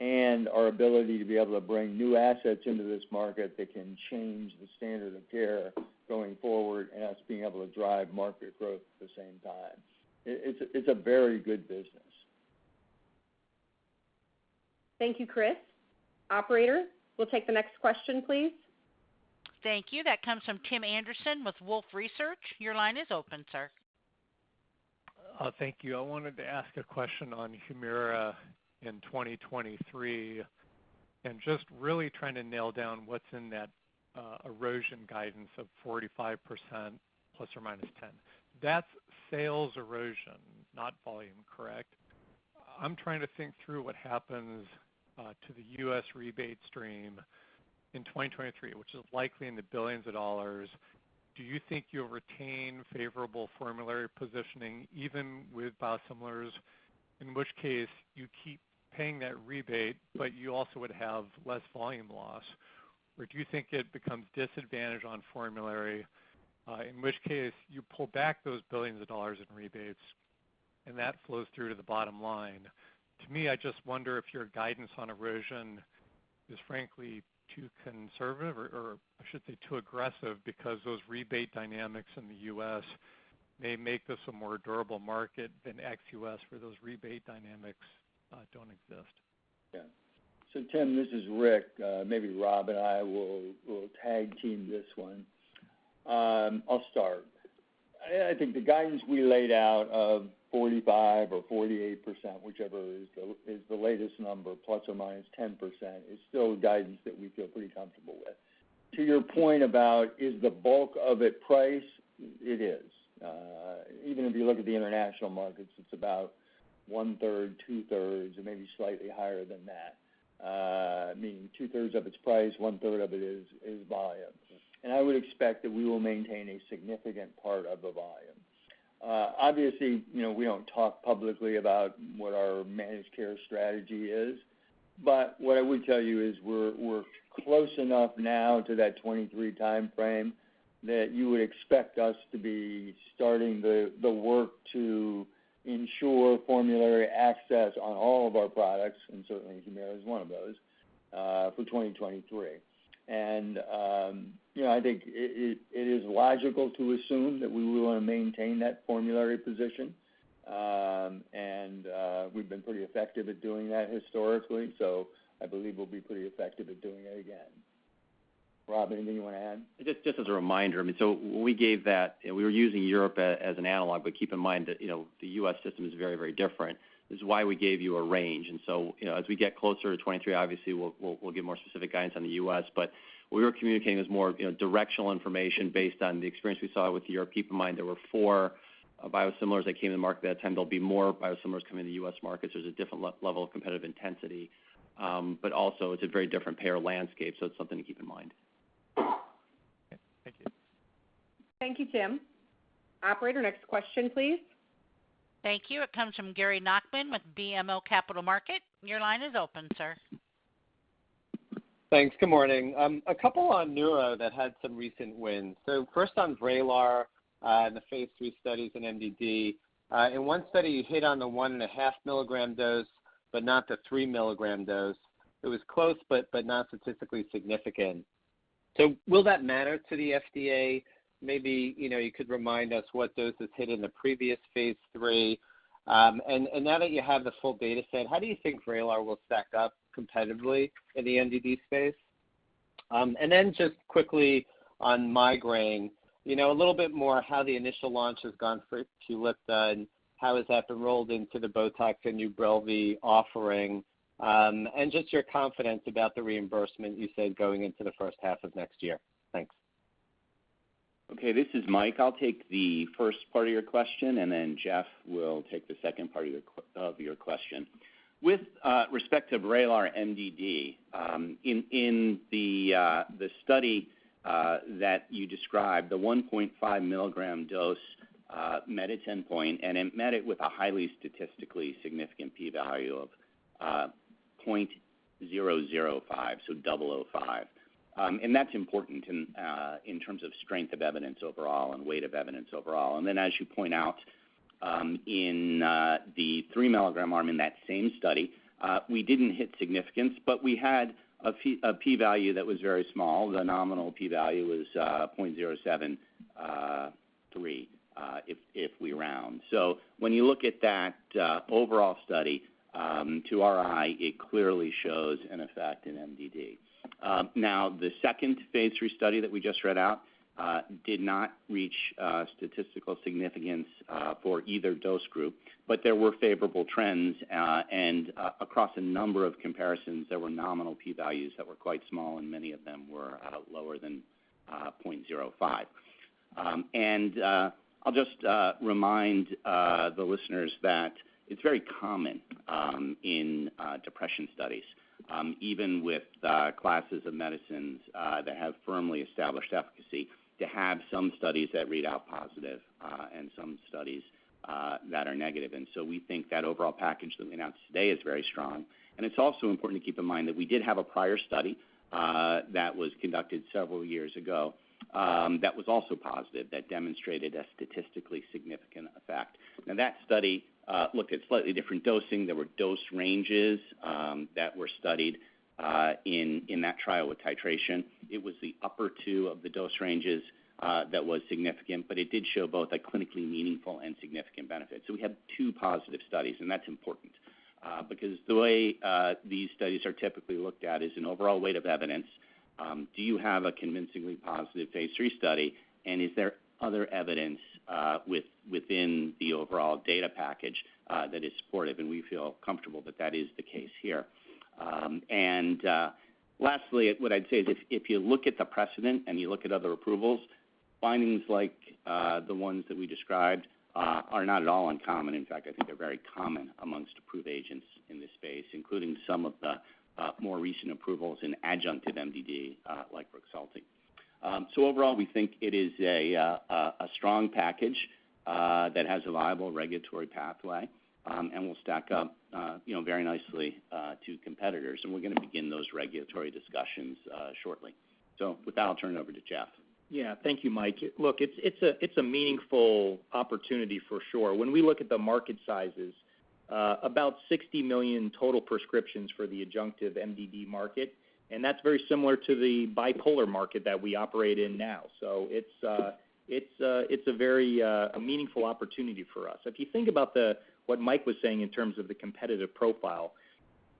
Speaker 3: and our ability to be able to bring new assets into this market that can change the standard of care going forward and us being able to drive market growth at the same time. It's a very good business.
Speaker 2: Thank you, Chris. Operator, we'll take the next question, please.
Speaker 1: Thank you. That comes from Tim Anderson with Wolfe Research. Your line is open, sir.
Speaker 10: Thank you. I wanted to ask a question on HUMIRA in 2023 and just really trying to nail down what's in that erosion guidance of 45% ±10. That's sales erosion, not volume, correct? I'm trying to think through what happens to the U.S. rebate stream in 2023, which is likely in the billions of dollar. Do you think you'll retain favorable formulary positioning even with biosimilars, in which case you keep paying that rebate, but you also would have less volume loss? Or do you think it becomes disadvantaged on formulary, in which case you pull back those billions of dollar in rebates, and that flows through to the bottom line? To me, I just wonder if your guidance on erosion is frankly too conservative or I should say too aggressive because those rebate dynamics in the U.S. may make this a more durable market than ex-U.S. where those rebate dynamics don't exist.
Speaker 3: Yeah. Tim, this is Rick. Maybe Rob and I will tag team this one. I'll start. I think the guidance we laid out of 45% or 48%, whichever is the latest number, ±10%, is still guidance that we feel pretty comfortable with. To your point, is the bulk of it price? It is. Even if you look at the international markets, it's about 1/3, 2/3, or maybe slightly higher than that. Meaning 2/3 of it is price, 1/3 of it is volume. I would expect that we will maintain a significant part of the volume. Obviously, you know, we don't talk publicly about what our managed care strategy is, but what I would tell you is we're close enough now to that 2023 timeframe that you would expect us to be starting the work to ensure formulary access on all of our products, and certainly HUMIRA is one of those for 2023. You know, I think it is logical to assume that we will maintain that formulary position. We've been pretty effective at doing that historically, so I believe we'll be pretty effective at doing it again. Rob, anything you wanna add?
Speaker 6: Just as a reminder, I mean, when we gave that, we were using Europe as an analog, but keep in mind that, you know, the U.S. system is very, very different. This is why we gave you a range. You know, as we get closer to 2023, obviously, we'll give more specific guidance on the U.S. What we were communicating is more, you know, directional information based on the experience we saw with Europe. Keep in mind there were four biosimilars that came to the market that time. There'll be more biosimilars coming to the U.S. markets. There's a different level of competitive intensity, but also it's a very different payer landscape, so it's something to keep in mind.
Speaker 10: Okay. Thank you.
Speaker 2: Thank you, Tim. Operator, next question, please.
Speaker 1: Thank you. It comes from Gary Nachman with BMO Capital Markets. Your line is open, sir.
Speaker 11: Thanks. Good morning. A couple on neuro that had some recent wins. First on VRAYLAR, and the phase III studies in MDD. In one study, you hit on the 1.5 mg dose, but not the 3 mg dose. It was close, but not statistically significant. Will that matter to the FDA? Maybe, you know, you could remind us what doses hit in the previous phase III. Now that you have the full data set, how do you think VRAYLAR will stack up competitively in the MDD space? Then just quickly on migraine, you know, a little bit more how the initial launch has gone for Qulipta, and how has that been rolled into the BOTOX and UBRELVY offering, and just your confidence about the reimbursement you said going into the first half of next year. Thanks.
Speaker 5: This is Michael. I'll take the first part of your question, and then Jeff will take the second part of your question. With respect to VRAYLAR MDD, in the study that you described, the 1.5 mg dose met endpoint, and it met it with a highly statistically significant P value of 0.005. That's important in terms of strength of evidence overall and weight of evidence overall. As you point out, in the 3 mg arm in that same study, we didn't hit significance, but we had a P value that was very small. The nominal P value was 0.073, if we round. When you look at that overall study, Tori, it clearly shows an effect in MDD. Now, the second phase III study that we just read out did not reach statistical significance for either dose group, but there were favorable trends. Across a number of comparisons, there were nominal P values that were quite small, and many of them were lower than 0.05. I'll just remind the listeners that it's very common in depression studies, even with classes of medicines that have firmly established efficacy to have some studies that read out positive, and some studies that are negative. We think that overall package that we announced today is very strong. It's also important to keep in mind that we did have a prior study that was conducted several years ago that was also positive, that demonstrated a statistically significant effect. Now, that study looked at slightly different dosing. There were dose ranges that were studied in that trial with titration. It was the upper two of the dose ranges that was significant, but it did show both a clinically meaningful and significant benefit. We had two positive studies, and that's important because the way these studies are typically looked at is an overall weight of evidence. Do you have a convincingly positive phase III study? Is there other evidence within the overall data package that is supportive? We feel comfortable that that is the case here. Lastly, what I'd say is if you look at the precedent and you look at other approvals, findings like the ones that we described are not at all uncommon. In fact, I think they're very common among approved agents in this space, including some of the more recent approvals in adjunctive MDD like Rexulti. Overall, we think it is a strong package that has a viable regulatory pathway and will stack up, you know, very nicely to competitors. We're gonna begin those regulatory discussions shortly. With that, I'll turn it over to Jeff.
Speaker 4: Yeah. Thank you, Mike. Look, it's a meaningful opportunity for sure. When we look at the market sizes, about 60 million total prescriptions for the adjunctive MDD market, and that's very similar to the bipolar market that we operate in now. It's a very meaningful opportunity for us. If you think about what Mike was saying in terms of the competitive profile,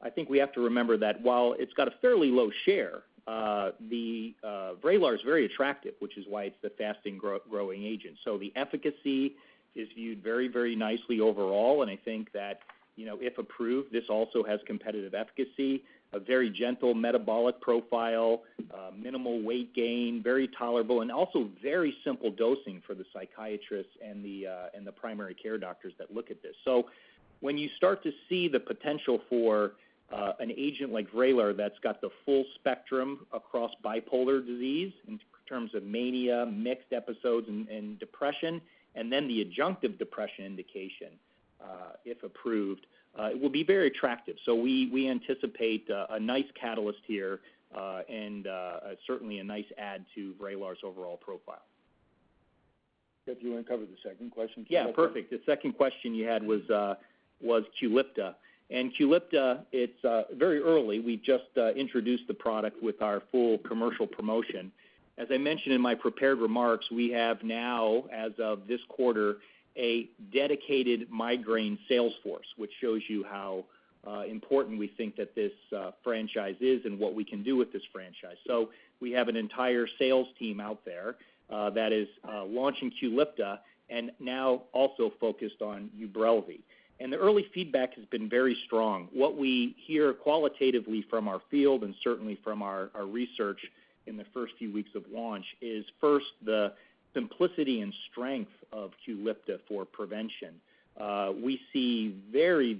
Speaker 4: I think we have to remember that while it's got a fairly low share, VRAYLAR is very attractive, which is why it's the fastest growing agent. The efficacy is viewed very, very nicely overall. I think that, you know, if approved, this also has competitive efficacy, a very gentle metabolic profile, minimal weight gain, very tolerable and also very simple dosing for the psychiatrists and the primary care doctors that look at this. When you start to see the potential for an agent like VRAYLAR that's got the full spectrum across bipolar disease in terms of mania, mixed episodes and depression, and then the adjunctive depression indication, if approved, it will be very attractive. We anticipate a nice catalyst here, and certainly a nice add to VRAYLAR's overall profile.
Speaker 5: Jeff, do you wanna cover the second question?
Speaker 4: Yeah, perfect. The second question you had was QULIPTA. QULIPTA, it's very early. We just introduced the product with our full commercial promotion. As I mentioned in my prepared remarks, we have now, as of this quarter, a dedicated migraine sales force, which shows you how important we think that this franchise is and what we can do with this franchise. We have an entire sales team out there that is launching QULIPTA and now also focused on UBRELVY. The early feedback has been very strong. What we hear qualitatively from our field and certainly from our research in the first few weeks of launch is first, the simplicity and strength of QULIPTA for prevention. We see very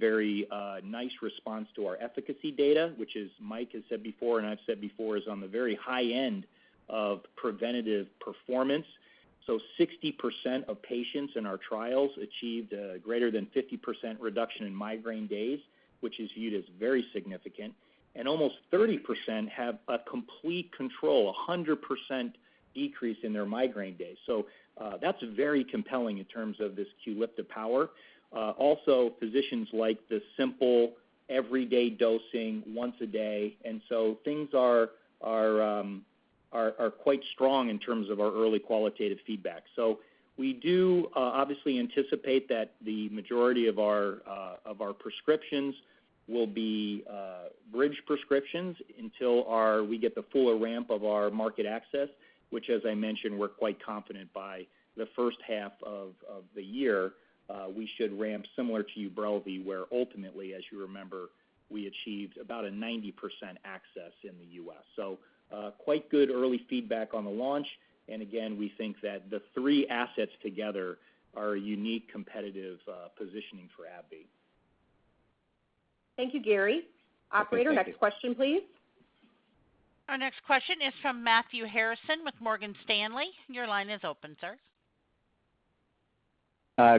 Speaker 4: nice response to our efficacy data, which Mike has said before and I've said before, is on the very high end of preventative performance. 60% of patients in our trials achieved greater than 50% reduction in migraine days, which is viewed as very significant. Almost 30% have a complete control, 100% Decrease in their migraine days. That's very compelling in terms of this QULIPTA power. Also physicians like the simple everyday dosing once a day, and so things are quite strong in terms of our early qualitative feedback. We do obviously anticipate that the majority of our prescriptions will be bridge prescriptions until we get the fuller ramp of our market access, which as I mentioned, we're quite confident by the first half of the year we should ramp similar to UBRELVY, where ultimately, as you remember, we achieved about a 90% access in the U.S. Quite good early feedback on the launch. Again, we think that the three assets together are a unique competitive positioning for AbbVie.
Speaker 2: Thank you, Gary.
Speaker 11: Okay. Thank you.
Speaker 2: Operator, next question, please.
Speaker 1: Our next question is from Matthew Harrison with Morgan Stanley. Your line is open, sir.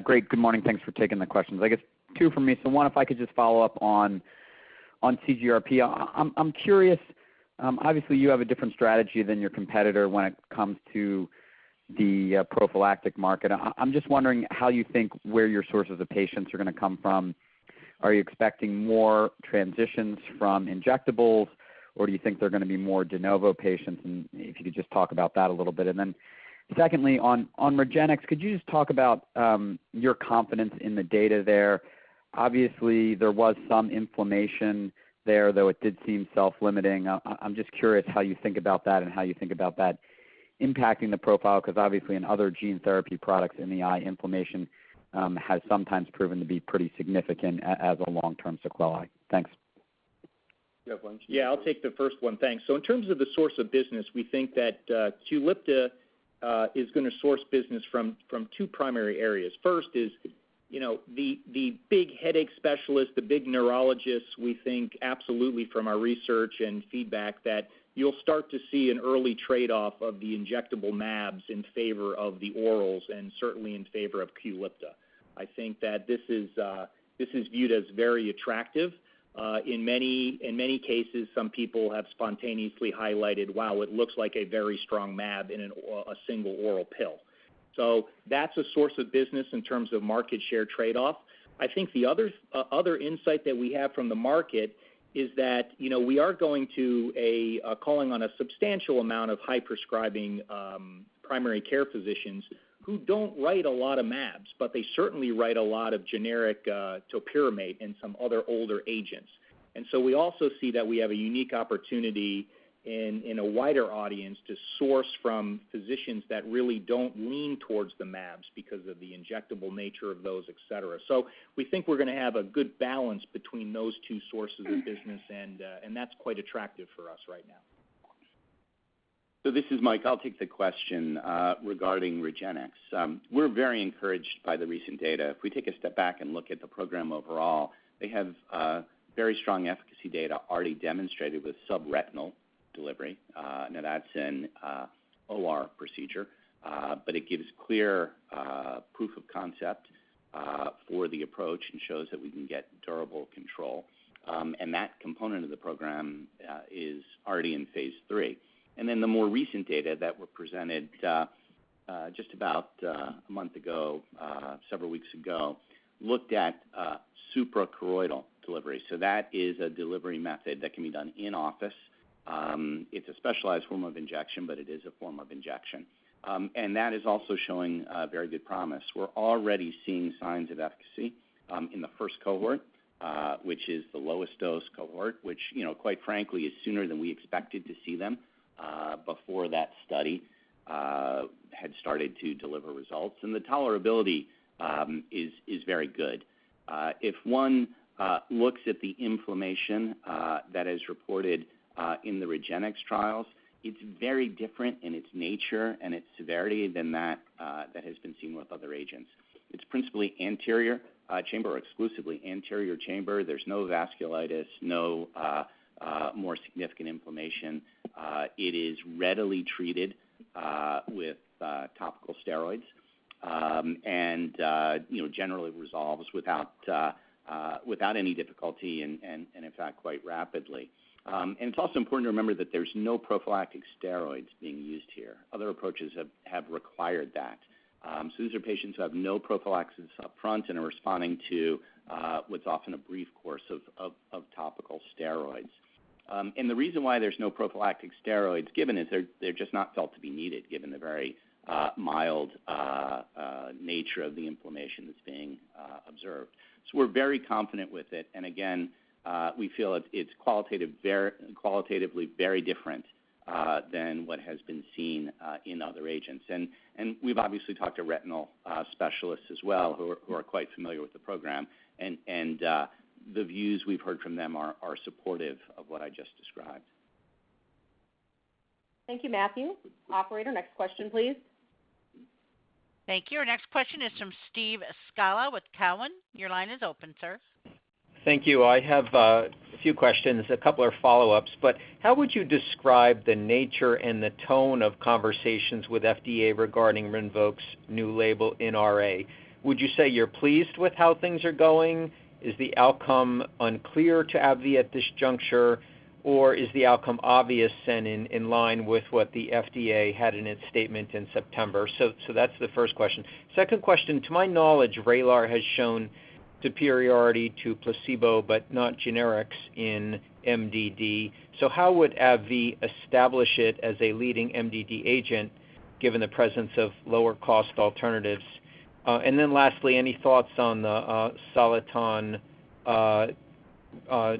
Speaker 12: Great. Good morning. Thanks for taking the questions. I guess two from me. One, if I could just follow up on CGRP. I'm curious, obviously you have a different strategy than your competitor when it comes to the prophylactic market. I'm just wondering how you think where your sources of patients are gonna come from. Are you expecting more transitions from injectables, or do you think they're gonna be more de novo patients? If you could just talk about that a little bit. Secondly, on REGENXBIO, could you just talk about your confidence in the data there? Obviously, there was some inflammation there, though it did seem self-limiting. I'm just curious how you think about that and how you think about that impacting the profile, 'cause obviously in other gene therapy products in the eye, inflammation, has sometimes proven to be pretty significant as a long-term sequelae. Thanks.
Speaker 5: You have one?
Speaker 4: Yeah, I'll take the first one. Thanks. In terms of the source of business, we think that QULIPTA is gonna source business from two primary areas. First is, you know, the big headache specialist, the big neurologists. We think absolutely from our research and feedback that you'll start to see an early trade-off of the injectable mAbs in favor of the orals, and certainly in favor of QULIPTA. I think that this is viewed as very attractive. In many cases, some people have spontaneously highlighted, wow, it looks like a very strong mAb in a single oral pill. That's a source of business in terms of market share trade-off. I think the other insight that we have from the market is that, you know, we are going to a calling on a substantial amount of high-prescribing primary care physicians who don't write a lot of mAbs, but they certainly write a lot of generic topiramate and some other older agents. We also see that we have a unique opportunity in a wider audience to source from physicians that really don't lean towards the mAbs because of the injectable nature of those, etc. We think we're gonna have a good balance between those two sources of business, and that's quite attractive for us right now.
Speaker 5: This is Mike. I'll take the question regarding REGENXBIO. We're very encouraged by the recent data. If we take a step back and look at the program overall, they have very strong efficacy data already demonstrated with subretinal delivery. Now that's an OR procedure, but it gives clear proof of concept for the approach and shows that we can get durable control. That component of the program is already in phase III. Then the more recent data that were presented just about a month ago, several weeks ago, looked at suprachoroidal delivery. That is a delivery method that can be done in-office. It's a specialized form of injection, but it is a form of injection. That is also showing very good promise. We're already seeing signs of efficacy in the first cohort, which is the lowest dose cohort, which, you know, quite frankly, is sooner than we expected to see them before that study had started to deliver results. The tolerability is very good. If one looks at the inflammation that is reported in the REGENXBIO trials, it's very different in its nature and its severity than that has been seen with other agents. It's principally anterior chamber, exclusively anterior chamber. There's no vasculitis, no more significant inflammation. It is readily treated with topical steroids, and, you know, generally resolves without any difficulty and in fact, quite rapidly. It's also important to remember that there's no prophylactic steroids being used here. Other approaches have required that. These are patients who have no prophylaxis upfront and are responding to what's often a brief course of topical steroids. The reason why there's no prophylactic steroids given is they're just not felt to be needed, given the very mild nature of the inflammation that's being observed. We're very confident with it. Again, we feel it's qualitatively very different than what has been seen in other agents. We've obviously talked to retinal specialists as well, who are quite familiar with the program. The views we've heard from them are supportive of what I just described.
Speaker 2: Thank you, Matthew. Operator, next question, please.
Speaker 1: Thank you. Our next question is from Steve Scala with Cowen. Your line is open, sir.
Speaker 13: Thank you. I have a few questions, a couple are follow-ups. How would you describe the nature and the tone of conversations with FDA regarding RINVOQ'S new label nr-axSpA? Would you say you're pleased with how things are going? Is the outcome unclear to AbbVie at this juncture? Or is the outcome obvious and in line with what the FDA had in its statement in September? So that's the first question. Second question, to my knowledge, VRAYLAR has shown superiority to placebo, but not generics in MDD. So how would AbbVie establish it as a leading MDD agent given the presence of lower cost alternatives? And then lastly, any thoughts on the Soliton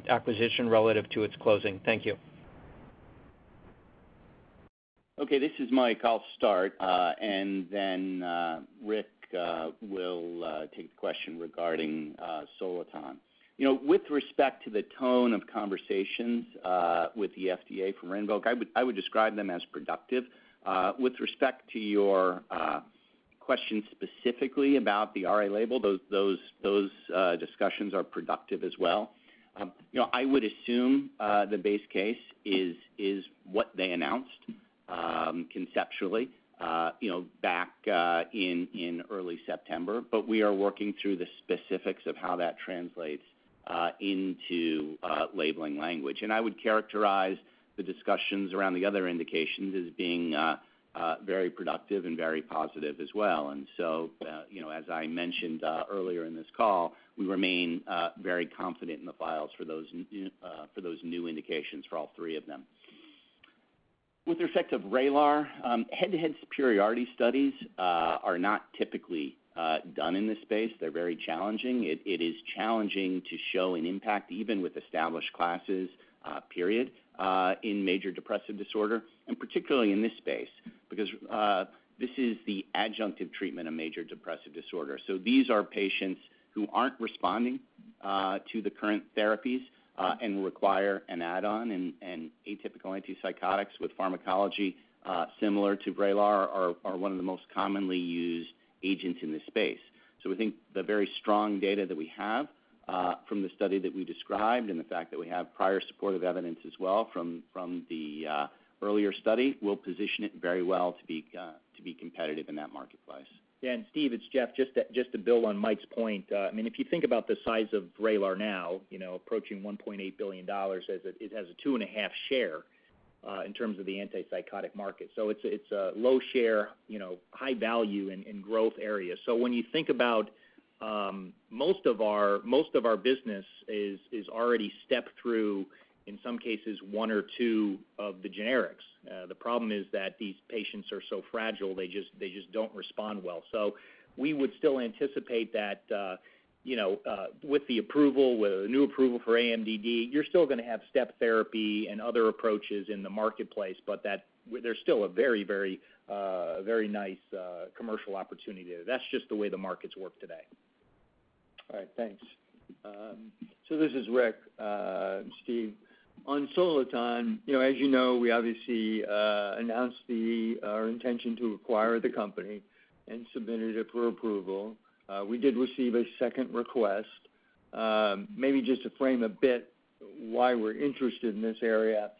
Speaker 13: acquisition relative to its closing? Thank you.
Speaker 5: Okay, this is Mike. I'll start, and then Rick will take the question regarding Soliton. You know, with respect to the tone of conversations with the FDA for RINVOQ, I would describe them as productive. With respect to your question specifically about the RA label, those discussions are productive as well. You know, I would assume the base case is what they announced conceptually, you know, back in early September. We are working through the specifics of how that translates into labeling language. I would characterize the discussions around the other indications as being very productive and very positive as well. you know, as I mentioned earlier in this call, we remain very confident in the files for those new indications for all three of them. With respect to Vraylar, head-to-head superiority studies are not typically done in this space. They're very challenging. It is challenging to show an impact, even with established classes, period, in major depressive disorder, and particularly in this space, because this is the adjunctive treatment of major depressive disorder. These are patients who aren't responding to the current therapies and require an add-on, and atypical antipsychotics with pharmacology similar to Vraylar are one of the most commonly used agents in this space. We think the very strong data that we have from the study that we described and the fact that we have prior supportive evidence as well from the earlier study will position it very well to be competitive in that marketplace.
Speaker 4: Yeah. Steve, it's Jeff, just to build on Mike's point. I mean, if you think about the size of VRAYLAR now, you know, approaching $1.8 billion, as it has a 2.5% share in terms of the antipsychotic market. It's a low share, you know, high value in a growth area. When you think about most of our business is already stepped through, in some cases, one or two of the generics. The problem is that these patients are so fragile, they just don't respond well. We would still anticipate that, you know, with a new approval for MDD, you're still gonna have step therapy and other approaches in the marketplace, but that there's still a very nice commercial opportunity there. That's just the way the markets work today.
Speaker 3: All right. Thanks. So this is Rick. Steve, on Soliton, you know, as you know, we obviously announced our intention to acquire the company and submitted it for approval. We did receive a second request, maybe just to frame a bit why we're interested in this area.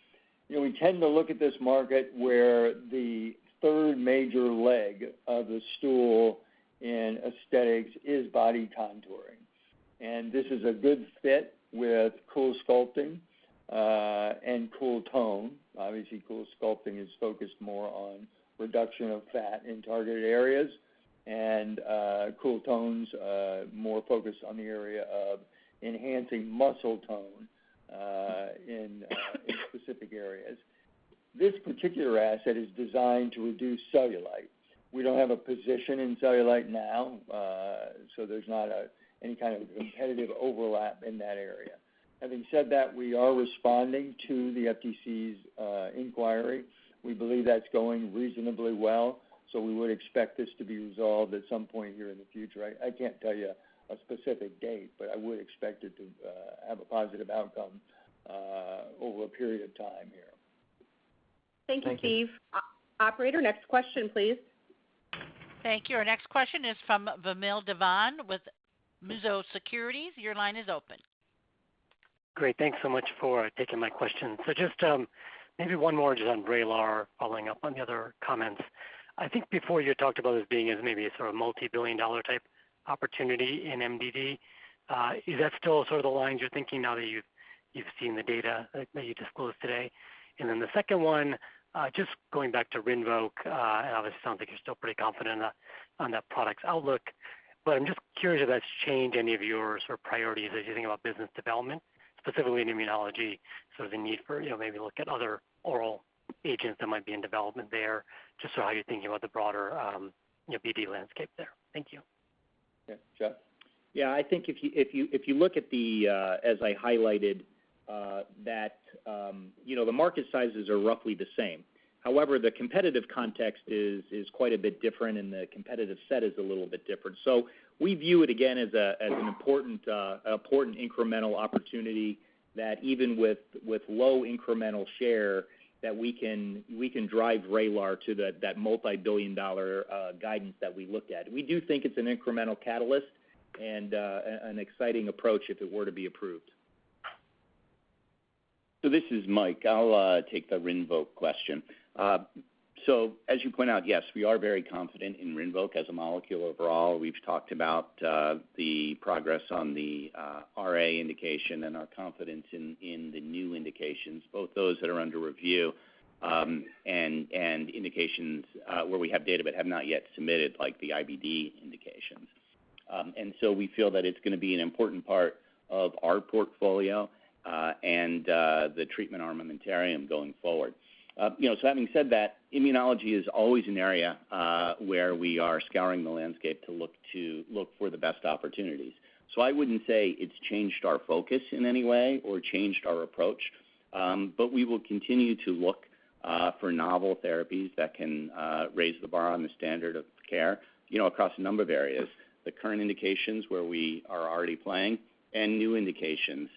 Speaker 3: You know, we tend to look at this market where the third major leg of the stool in aesthetics is body contouring. This is a good fit with CoolSculpting and CoolTone. Obviously, CoolSculpting is focused more on reduction of fat in targeted areas, and CoolTone's more focused on the area of enhancing muscle tone in specific areas. This particular asset is designed to reduce cellulite. We don't have a position in cellulite now, so there's not any kind of competitive overlap in that area. Having said that, we are responding to the FTC's inquiry. We believe that's going reasonably well, so we would expect this to be resolved at some point here in the future. I can't tell you a specific date, but I would expect it to have a positive outcome over a period of time here.
Speaker 2: Thank you, Steve.
Speaker 13: Thank you.
Speaker 2: Operator, next question, please.
Speaker 1: Thank you. Our next question is from Vamil Divan with Mizuho Securities. Your line is open.
Speaker 14: Great. Thanks so much for taking my question. Just maybe one more on VRAYLAR following up on the other comments. I think before you talked about this being a maybe a sort of multi-billion-dollar-type opportunity in MDD. Is that still sort of along those lines you're thinking now that you've seen the data that you disclosed today? The second one, just going back to RINVOQ, and obviously sounds like you're still pretty confident on that product's outlook, but I'm just curious if that's changed any of your sort of priorities as you think about business development, specifically in immunology, sort of the need for maybe look at other oral agents that might be in development there, just so how you're thinking about the broader BD landscape there. Thank you.
Speaker 5: Yeah. Jeff?
Speaker 4: Yeah. I think if you look at the as I highlighted that you know the market sizes are roughly the same. However, the competitive context is quite a bit different and the competitive set is a little bit different. We view it again as an important incremental opportunity that even with low incremental share that we can drive VRAYLAR to that multi-billion dollar guidance that we looked at. We do think it's an incremental catalyst and an exciting approach if it were to be approved.
Speaker 5: This is Mike. I'll take the RINVOQ question. As you point out, yes, we are very confident in RINVOQ as a molecule overall. We've talked about the progress on the RA indication and our confidence in the new indications, both those that are under review, and indications where we have data but have not yet submitted, like the IBD indications. We feel that it's gonna be an important part of our portfolio, and the treatment armamentarium going forward. You know, having said that, immunology is always an area where we are scouring the landscape to look for the best opportunities. I wouldn't say it's changed our focus in any way or changed our approach, but we will continue to look for novel therapies that can raise the bar on the standard of care, you know, across a number of areas, the current indications where we are already playing and new indications,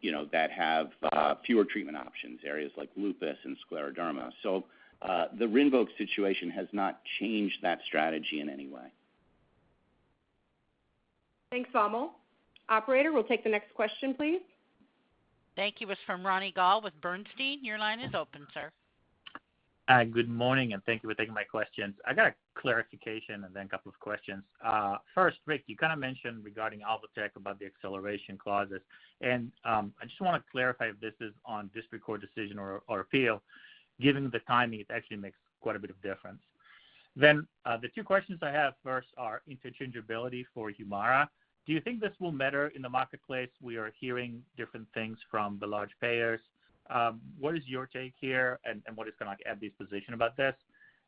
Speaker 5: you know, that have fewer treatment options, areas like lupus and scleroderma. The RINVOQ situation has not changed that strategy in any way.
Speaker 2: Thanks, Vamil. Operator, we'll take the next question, please.
Speaker 1: Thank you. It's from Ronny Gal with Bernstein. Your line is open, sir.
Speaker 15: Good morning, and thank you for taking my questions. I got a clarification and then a couple of questions. First, Rick, you kinda mentioned regarding Alvotech about the acceleration clauses, and I just wanna clarify if this is on district court decision or appeal, given the timing, it actually makes quite a bit of difference. Then, the two questions I have first are interchangeability for HUMIRA. Do you think this will matter in the marketplace? We are hearing different things from the large payers. What is your take here, and what is gonna AbbVie's position about this?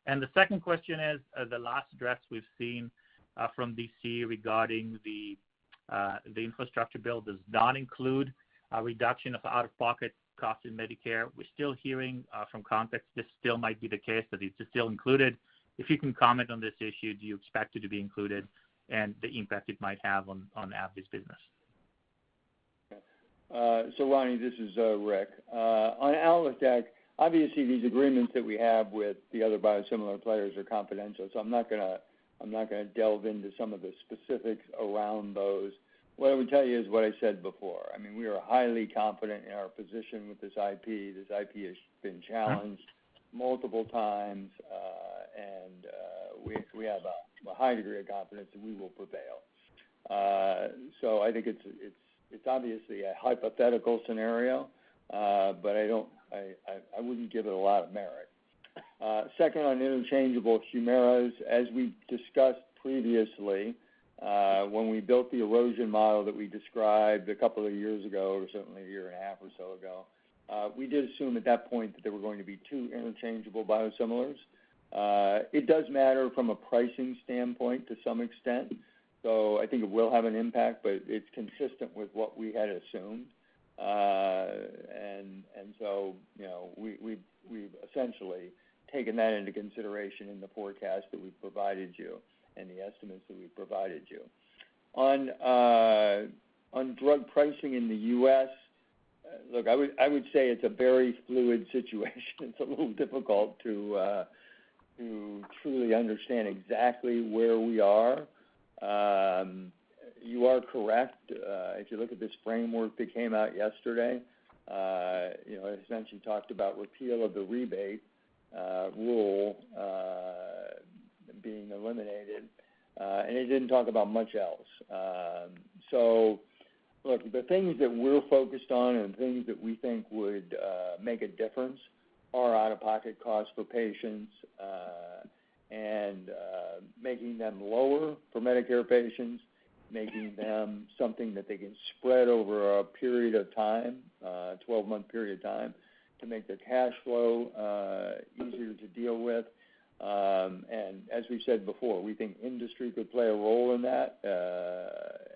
Speaker 15: And the second question is, the last draft we've seen from D.C. regarding the infrastructure bill does not include a reduction of out-of-pocket cost in Medicare. We're still hearing from contacts this still might be the case, that it's still included. If you can comment on this issue, do you expect it to be included and the impact it might have on AbbVie's business?
Speaker 3: Ronny, this is Rick. On Alvotech, obviously these agreements that we have with the other biosimilar players are confidential, so I'm not gonna delve into some of the specifics around those. What I would tell you is what I said before. I mean, we are highly confident in our position with this IP. This IP has been challenged multiple times, and we have a high degree of confidence that we will prevail. I think it's obviously a hypothetical scenario, but I wouldn't give it a lot of merit. Second on interchangeable HUMIRA is, as we discussed previously, when we built the erosion model that we described a couple of years ago, or certainly a year and a half or so ago, we did assume at that point that there were going to be two interchangeable biosimilars. It does matter from a pricing standpoint to some extent. I think it will have an impact, but it's consistent with what we had assumed. You know, we've essentially taken that into consideration in the forecast that we've provided you and the estimates that we've provided you. On drug pricing in the U.S., look, I would say it's a very fluid situation. It's a little difficult to truly understand exactly where we are. You are correct. If you look at this framework that came out yesterday, you know, it essentially talked about repeal of the rebate rule being eliminated, and it didn't talk about much else. Look, the things that we're focused on and things that we think would make a difference are out-of-pocket costs for patients, and making them lower for Medicare patients, making them something that they can spread over a period of time, 12-month period of time, to make the cash flow easier to deal with. As we said before, we think industry could play a role in that,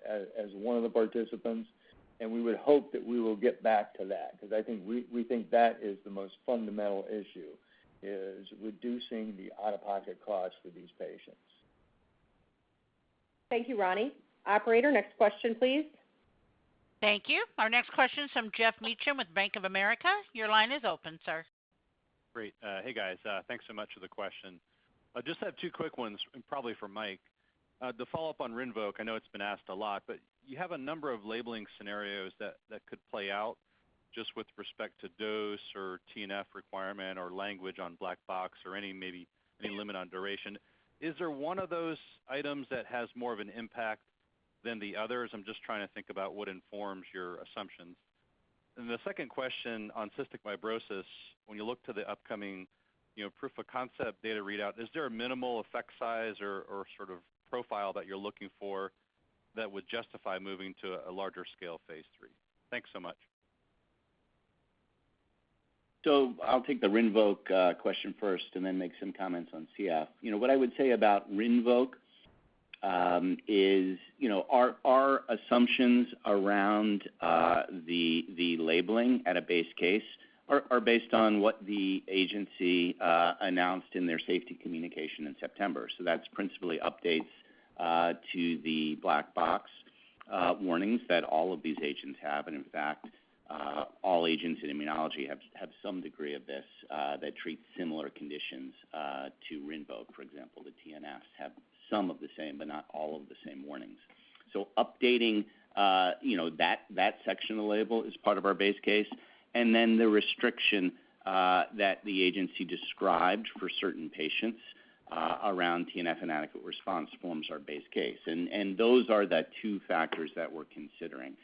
Speaker 3: as one of the participants, and we would hope that we will get back to that, 'cause I think we think that is the most fundamental issue, is reducing the out-of-pocket costs for these patients.
Speaker 2: Thank you, Ronny. Operator, next question, please.
Speaker 1: Thank you. Our next question is from Geoff Meacham with Bank of America. Your line is open, sir.
Speaker 16: Great. Hey, guys. Thanks so much for the question. I just have two quick ones, and probably for Mike. To follow up on RINVOQ, I know it's been asked a lot, but you have a number of labeling scenarios that could play out just with respect to dose or TNF requirement or language on black box or any limit on duration. Is there one of those items that has more of an impact than the others? I'm just trying to think about what informs your assumptions. The second question on cystic fibrosis, when you look to the upcoming proof of concept data readout, is there a minimal effect size or sort of profile that you're looking for that would justify moving to a larger scale phase III? Thanks so much.
Speaker 5: I'll take the RINVOQ question first and then make some comments on CF. You know, what I would say about RINVOQ is, you know, our assumptions around the labeling at a base case are based on what the agency announced in their safety communication in September. That's principally updates to the black box warnings that all of these agents have. In fact, all agents in immunology have some degree of this that treat similar conditions. To RINVOQ, for example, the TNFs have some of the same, but not all of the same warnings. Updating, you know, that section of the label is part of our base case. Then the restriction that the agency described for certain patients around TNF inadequate response forms our base case. Those are the two factors that we're considering.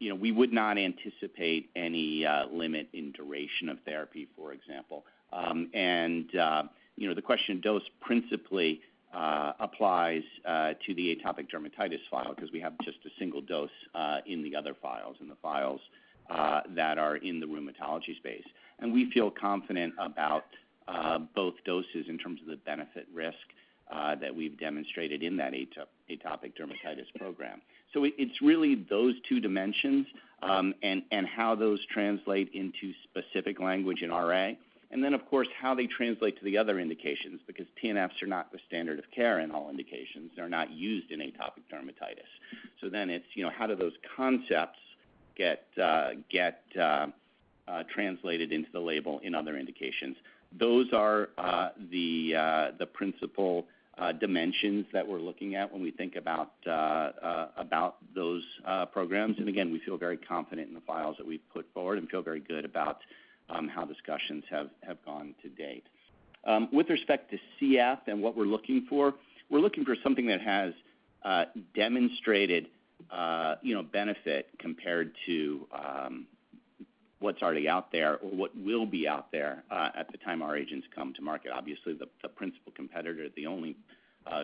Speaker 5: You know, we would not anticipate any limit in duration of therapy, for example. The dosing question principally applies to the atopic dermatitis file because we have just a single dose in the other files that are in the rheumatology space. We feel confident about both doses in terms of the benefit-risk that we've demonstrated in that atopic dermatitis program. It's really those two dimensions and how those translate into specific language in RA and then of course how they translate to the other indications because TNFs are not the standard of care in all indications. They're not used in atopic dermatitis. It's, you know, how do those concepts get translated into the label in other indications? Those are the principal dimensions that we're looking at when we think about those programs. Again, we feel very confident in the files that we've put forward and feel very good about how discussions have gone to date. With respect to CF and what we're looking for, we're looking for something that has demonstrated, you know, benefit compared to what's already out there or what will be out there at the time our agents come to market. Obviously, the principal competitor, the only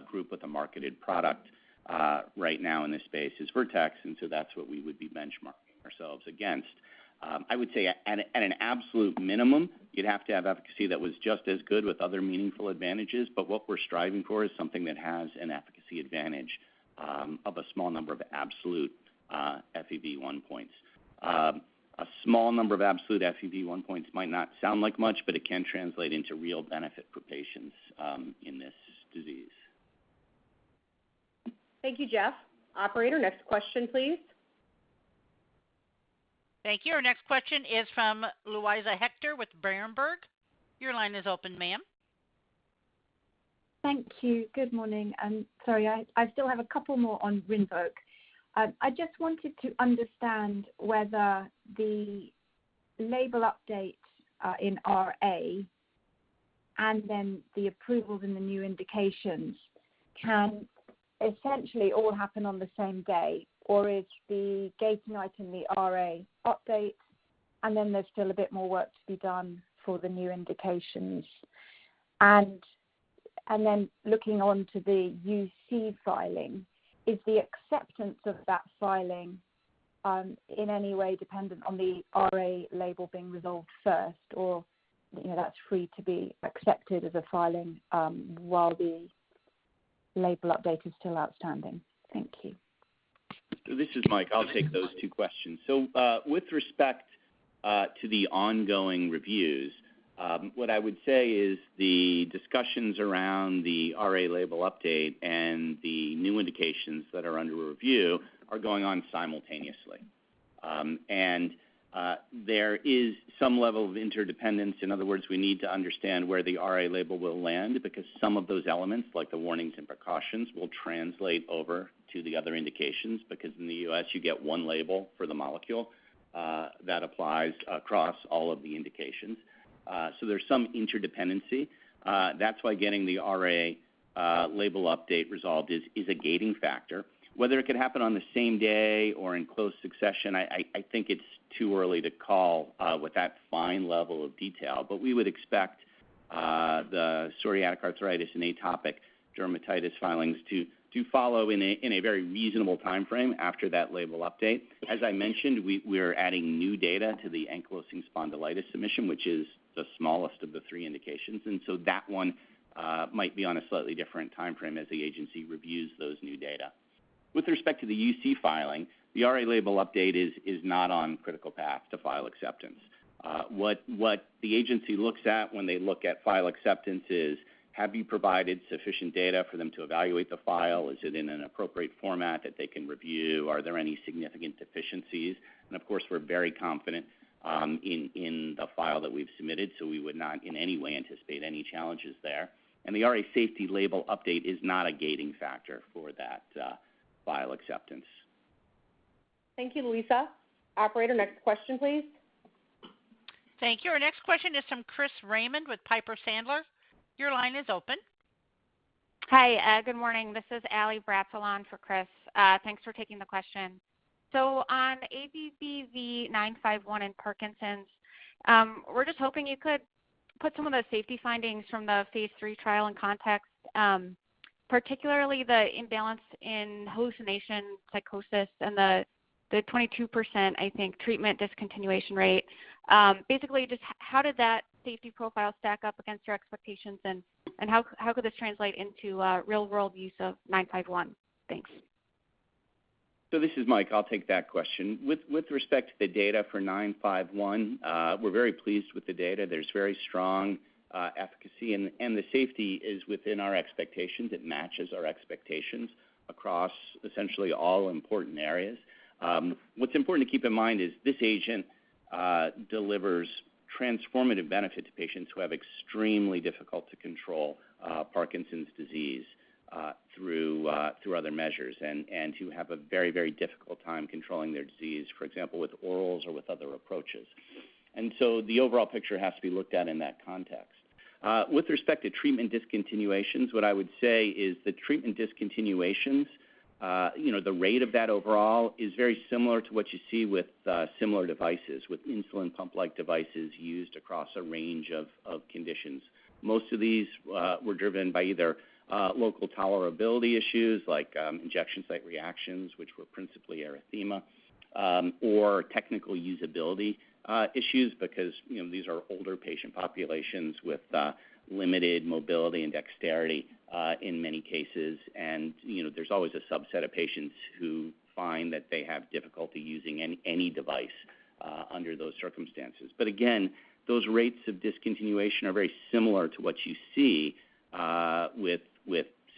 Speaker 5: group with a marketed product right now in this space is Vertex. That's what we would be benchmarking ourselves against. I would say at an absolute minimum, you'd have to have efficacy that was just as good with other meaningful advantages. What we're striving for is something that has an efficacy advantage of a small number of absolute FEV1 points. A small number of absolute FEV1 points might not sound like much, but it can translate into real benefit for patients in this disease.
Speaker 2: Thank you, Jeff. Operator, next question, please.
Speaker 1: Thank you. Our next question is from Luisa Hector with Berenberg. Your line is open, ma'am.
Speaker 17: Thank you. Good morning. I'm sorry. I still have a couple more on RINVOQ. I just wanted to understand whether the label updates in RA and then the approvals in the new indications can essentially all happen on the same day, or is the gating item the RA updates, and then there's still a bit more work to be done for the new indications? Looking on to the UC filing, is the acceptance of that filing in any way dependent on the RA label being resolved first, or, you know, that's free to be accepted as a filing while the label update is still outstanding? Thank you.
Speaker 5: This is Mike. I'll take those two questions. With respect to the ongoing reviews, what I would say is the discussions around the RA label update and the new indications that are under review are going on simultaneously. There is some level of interdependence. In other words, we need to understand where the RA label will land because some of those elements, like the warnings and precautions, will translate over to the other indications, because in the U.S., you get one label for the molecule that applies across all of the indications. There's some interdependency. That's why getting the RA label update resolved is a gating factor. Whether it could happen on the same day or in close succession, I think it's too early to call with that fine level of detail. We would expect the psoriatic arthritis and atopic dermatitis filings to follow in a very reasonable timeframe after that label update. As I mentioned, we are adding new data to the ankylosing spondylitis submission, which is the smallest of the three indications, and so that one might be on a slightly different timeframe as the agency reviews those new data. With respect to the UC filing, the RA label update is not on critical path to file acceptance. What the agency looks at when they look at file acceptance is, have you provided sufficient data for them to evaluate the file? Is it in an appropriate format that they can review? Are there any significant deficiencies? Of course, we're very confident in the file that we've submitted, so we would not in any way anticipate any challenges there. The RA safety label update is not a gating factor for that file acceptance.
Speaker 2: Thank you, Luisa. Operator, next question, please.
Speaker 1: Thank you. Our next question is from Chris Raymond with Piper Sandler. Your line is open.
Speaker 18: Hi. Good morning. This is Allie Bratsakellis for Chris. Thanks for taking the question. On ABBV-951 in Parkinson's, we're just hoping you could put some of the safety findings from the phase III trial in context, particularly the imbalance in hallucination, psychosis, and the 22%, I think, treatment discontinuation rate. Basically, just how did that safety profile stack up against your expectations, and how could this translate into real-world use of ABBV-951? Thanks.
Speaker 5: This is Mike. I'll take that question. With respect to the data for ABBV-951, we're very pleased with the data. There's very strong efficacy, and the safety is within our expectations. It matches our expectations across essentially all important areas. What's important to keep in mind is this agent delivers transformative benefit to patients who have extremely difficult to control Parkinson's disease through other measures and who have a very, very difficult time controlling their disease, for example, with orals or with other approaches. The overall picture has to be looked at in that context. With respect to treatment discontinuations, what I would say is the treatment discontinuations, you know, the rate of that overall is very similar to what you see with similar devices, with insulin pump-like devices used across a range of conditions. Most of these were driven by either local tolerability issues like injection site reactions, which were principally erythema, or technical usability issues because, you know, these are older patient populations with limited mobility and dexterity in many cases. You know, there's always a subset of patients who find that they have difficulty using any device under those circumstances. Again, those rates of discontinuation are very similar to what you see with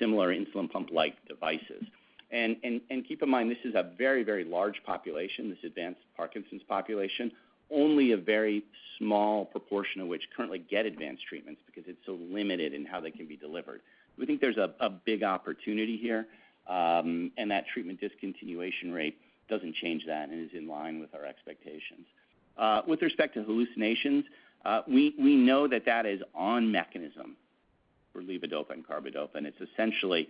Speaker 5: similar insulin pump-like devices. Keep in mind, this is a very, very large population, this advanced Parkinson's population, only a very small proportion of which currently get advanced treatments because it's so limited in how they can be delivered. We think there's a big opportunity here, and that treatment discontinuation rate doesn't change that and is in line with our expectations. With respect to hallucinations, we know that that is on mechanism for levodopa and carbidopa, and it's essentially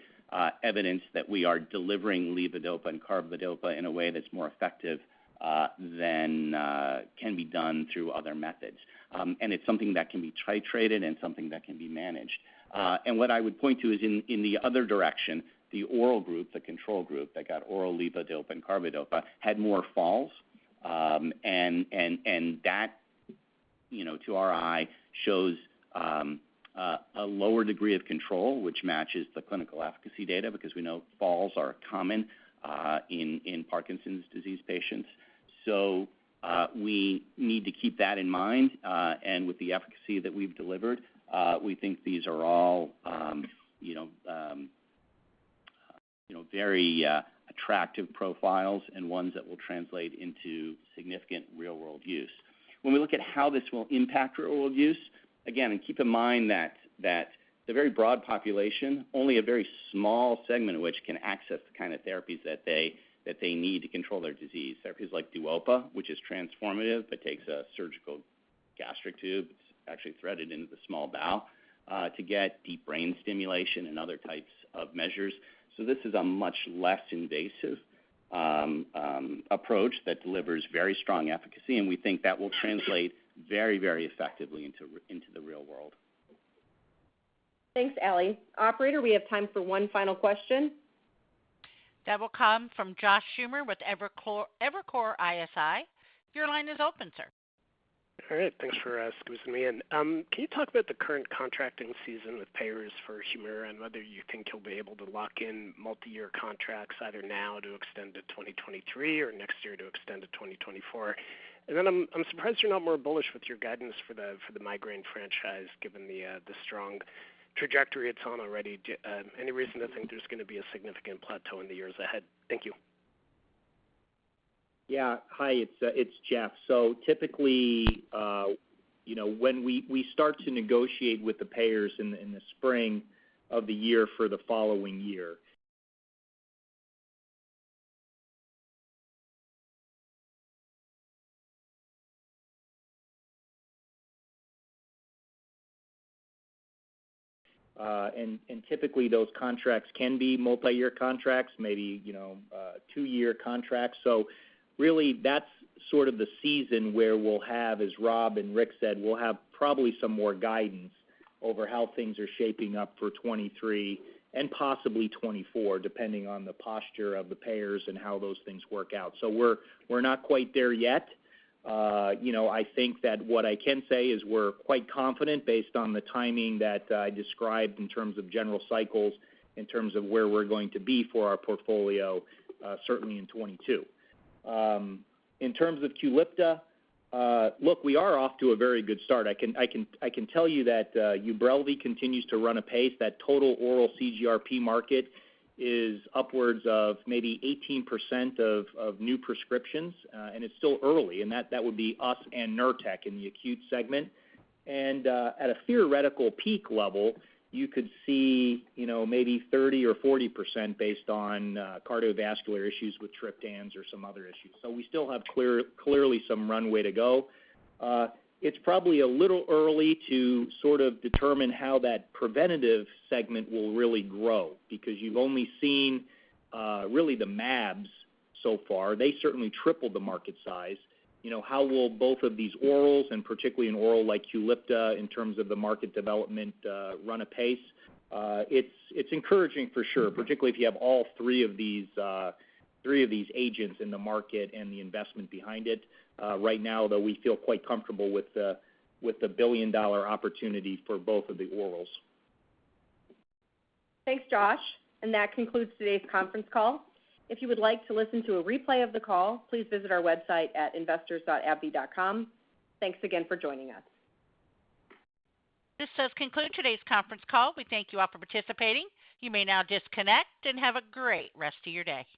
Speaker 5: evidence that we are delivering levodopa and carbidopa in a way that's more effective than can be done through other methods. It's something that can be titrated and something that can be managed. What I would point to is in the other direction, the oral group, the control group that got oral levodopa and carbidopa had more falls. That, you know, to our eye, shows a lower degree of control, which matches the clinical efficacy data because we know falls are common in Parkinson's disease patients. We need to keep that in mind, and with the efficacy that we've delivered, we think these are all, you know, very attractive profiles and ones that will translate into significant real-world use. When we look at how this will impact real-world use, again, keep in mind that the very broad population, only a very small segment of which can access the kind of therapies that they need to control their disease, therapies like DUOPA, which is transformative. It takes a surgical gastric tube. It's actually threaded into the small bowel to get deep brain stimulation and other types of measures. This is a much less invasive approach that delivers very strong efficacy, and we think that will translate very, very effectively into the real world.
Speaker 2: Thanks, Allie. Operator, we have time for one final question.
Speaker 1: That will come from Josh Schimmer with Evercore ISI. Your line is open, sir.
Speaker 19: All right. Thanks for squeezing me in. Can you talk about the current contracting season with payers for HUMIRA and whether you think you'll be able to lock in multiyear contracts either now to extend to 2023 or next year to extend to 2024? I'm surprised you're not more bullish with your guidance for the migraine franchise given the strong trajectory it's on already. Any reason to think there's gonna be a significant plateau in the years ahead? Thank you.
Speaker 4: Hi, it's Jeff. Typically, you know, when we start to negotiate with the payers in the spring of the year for the following year. Typically those contracts can be multi-year contracts, maybe, you know, two-year contracts. Really that's sort of the season where we'll have, as Rob and Rick said, probably some more guidance over how things are shaping up for 2023 and possibly 2024, depending on the posture of the payers and how those things work out. We're not quite there yet. You know, I think that what I can say is we're quite confident based on the timing that I described in terms of general cycles, in terms of where we're going to be for our portfolio, certainly in 2022. In terms of QULIPTA, look, we are off to a very good start. I can tell you that UBRELVY continues to run apace. That total oral CGRP market is upwards of maybe 18% of new prescriptions, and it's still early. That would be us and Nurtec in the acute segment. At a theoretical peak level, you know, maybe 30% or 40% based on cardiovascular issues with triptans or some other issues. We still have clearly some runway to go. It's probably a little early to sort of determine how that preventative segment will really grow because you've only seen really the mAbs so far. They certainly tripled the market size. You know, how will both of these orals and particularly an oral like QULIPTA in terms of the market development run apace? It's encouraging for sure, particularly if you have all three of these agents in the market and the investment behind it. Right now, though, we feel quite comfortable with the billion-dollar opportunity for both of the orals.
Speaker 2: Thanks, Josh. That concludes today's conference call. If you would like to listen to a replay of the call, please visit our website at investors.abbvie.com. Thanks again for joining us.
Speaker 1: This does conclude today's conference call. We thank you all for participating. You may now disconnect and have a great rest of your day.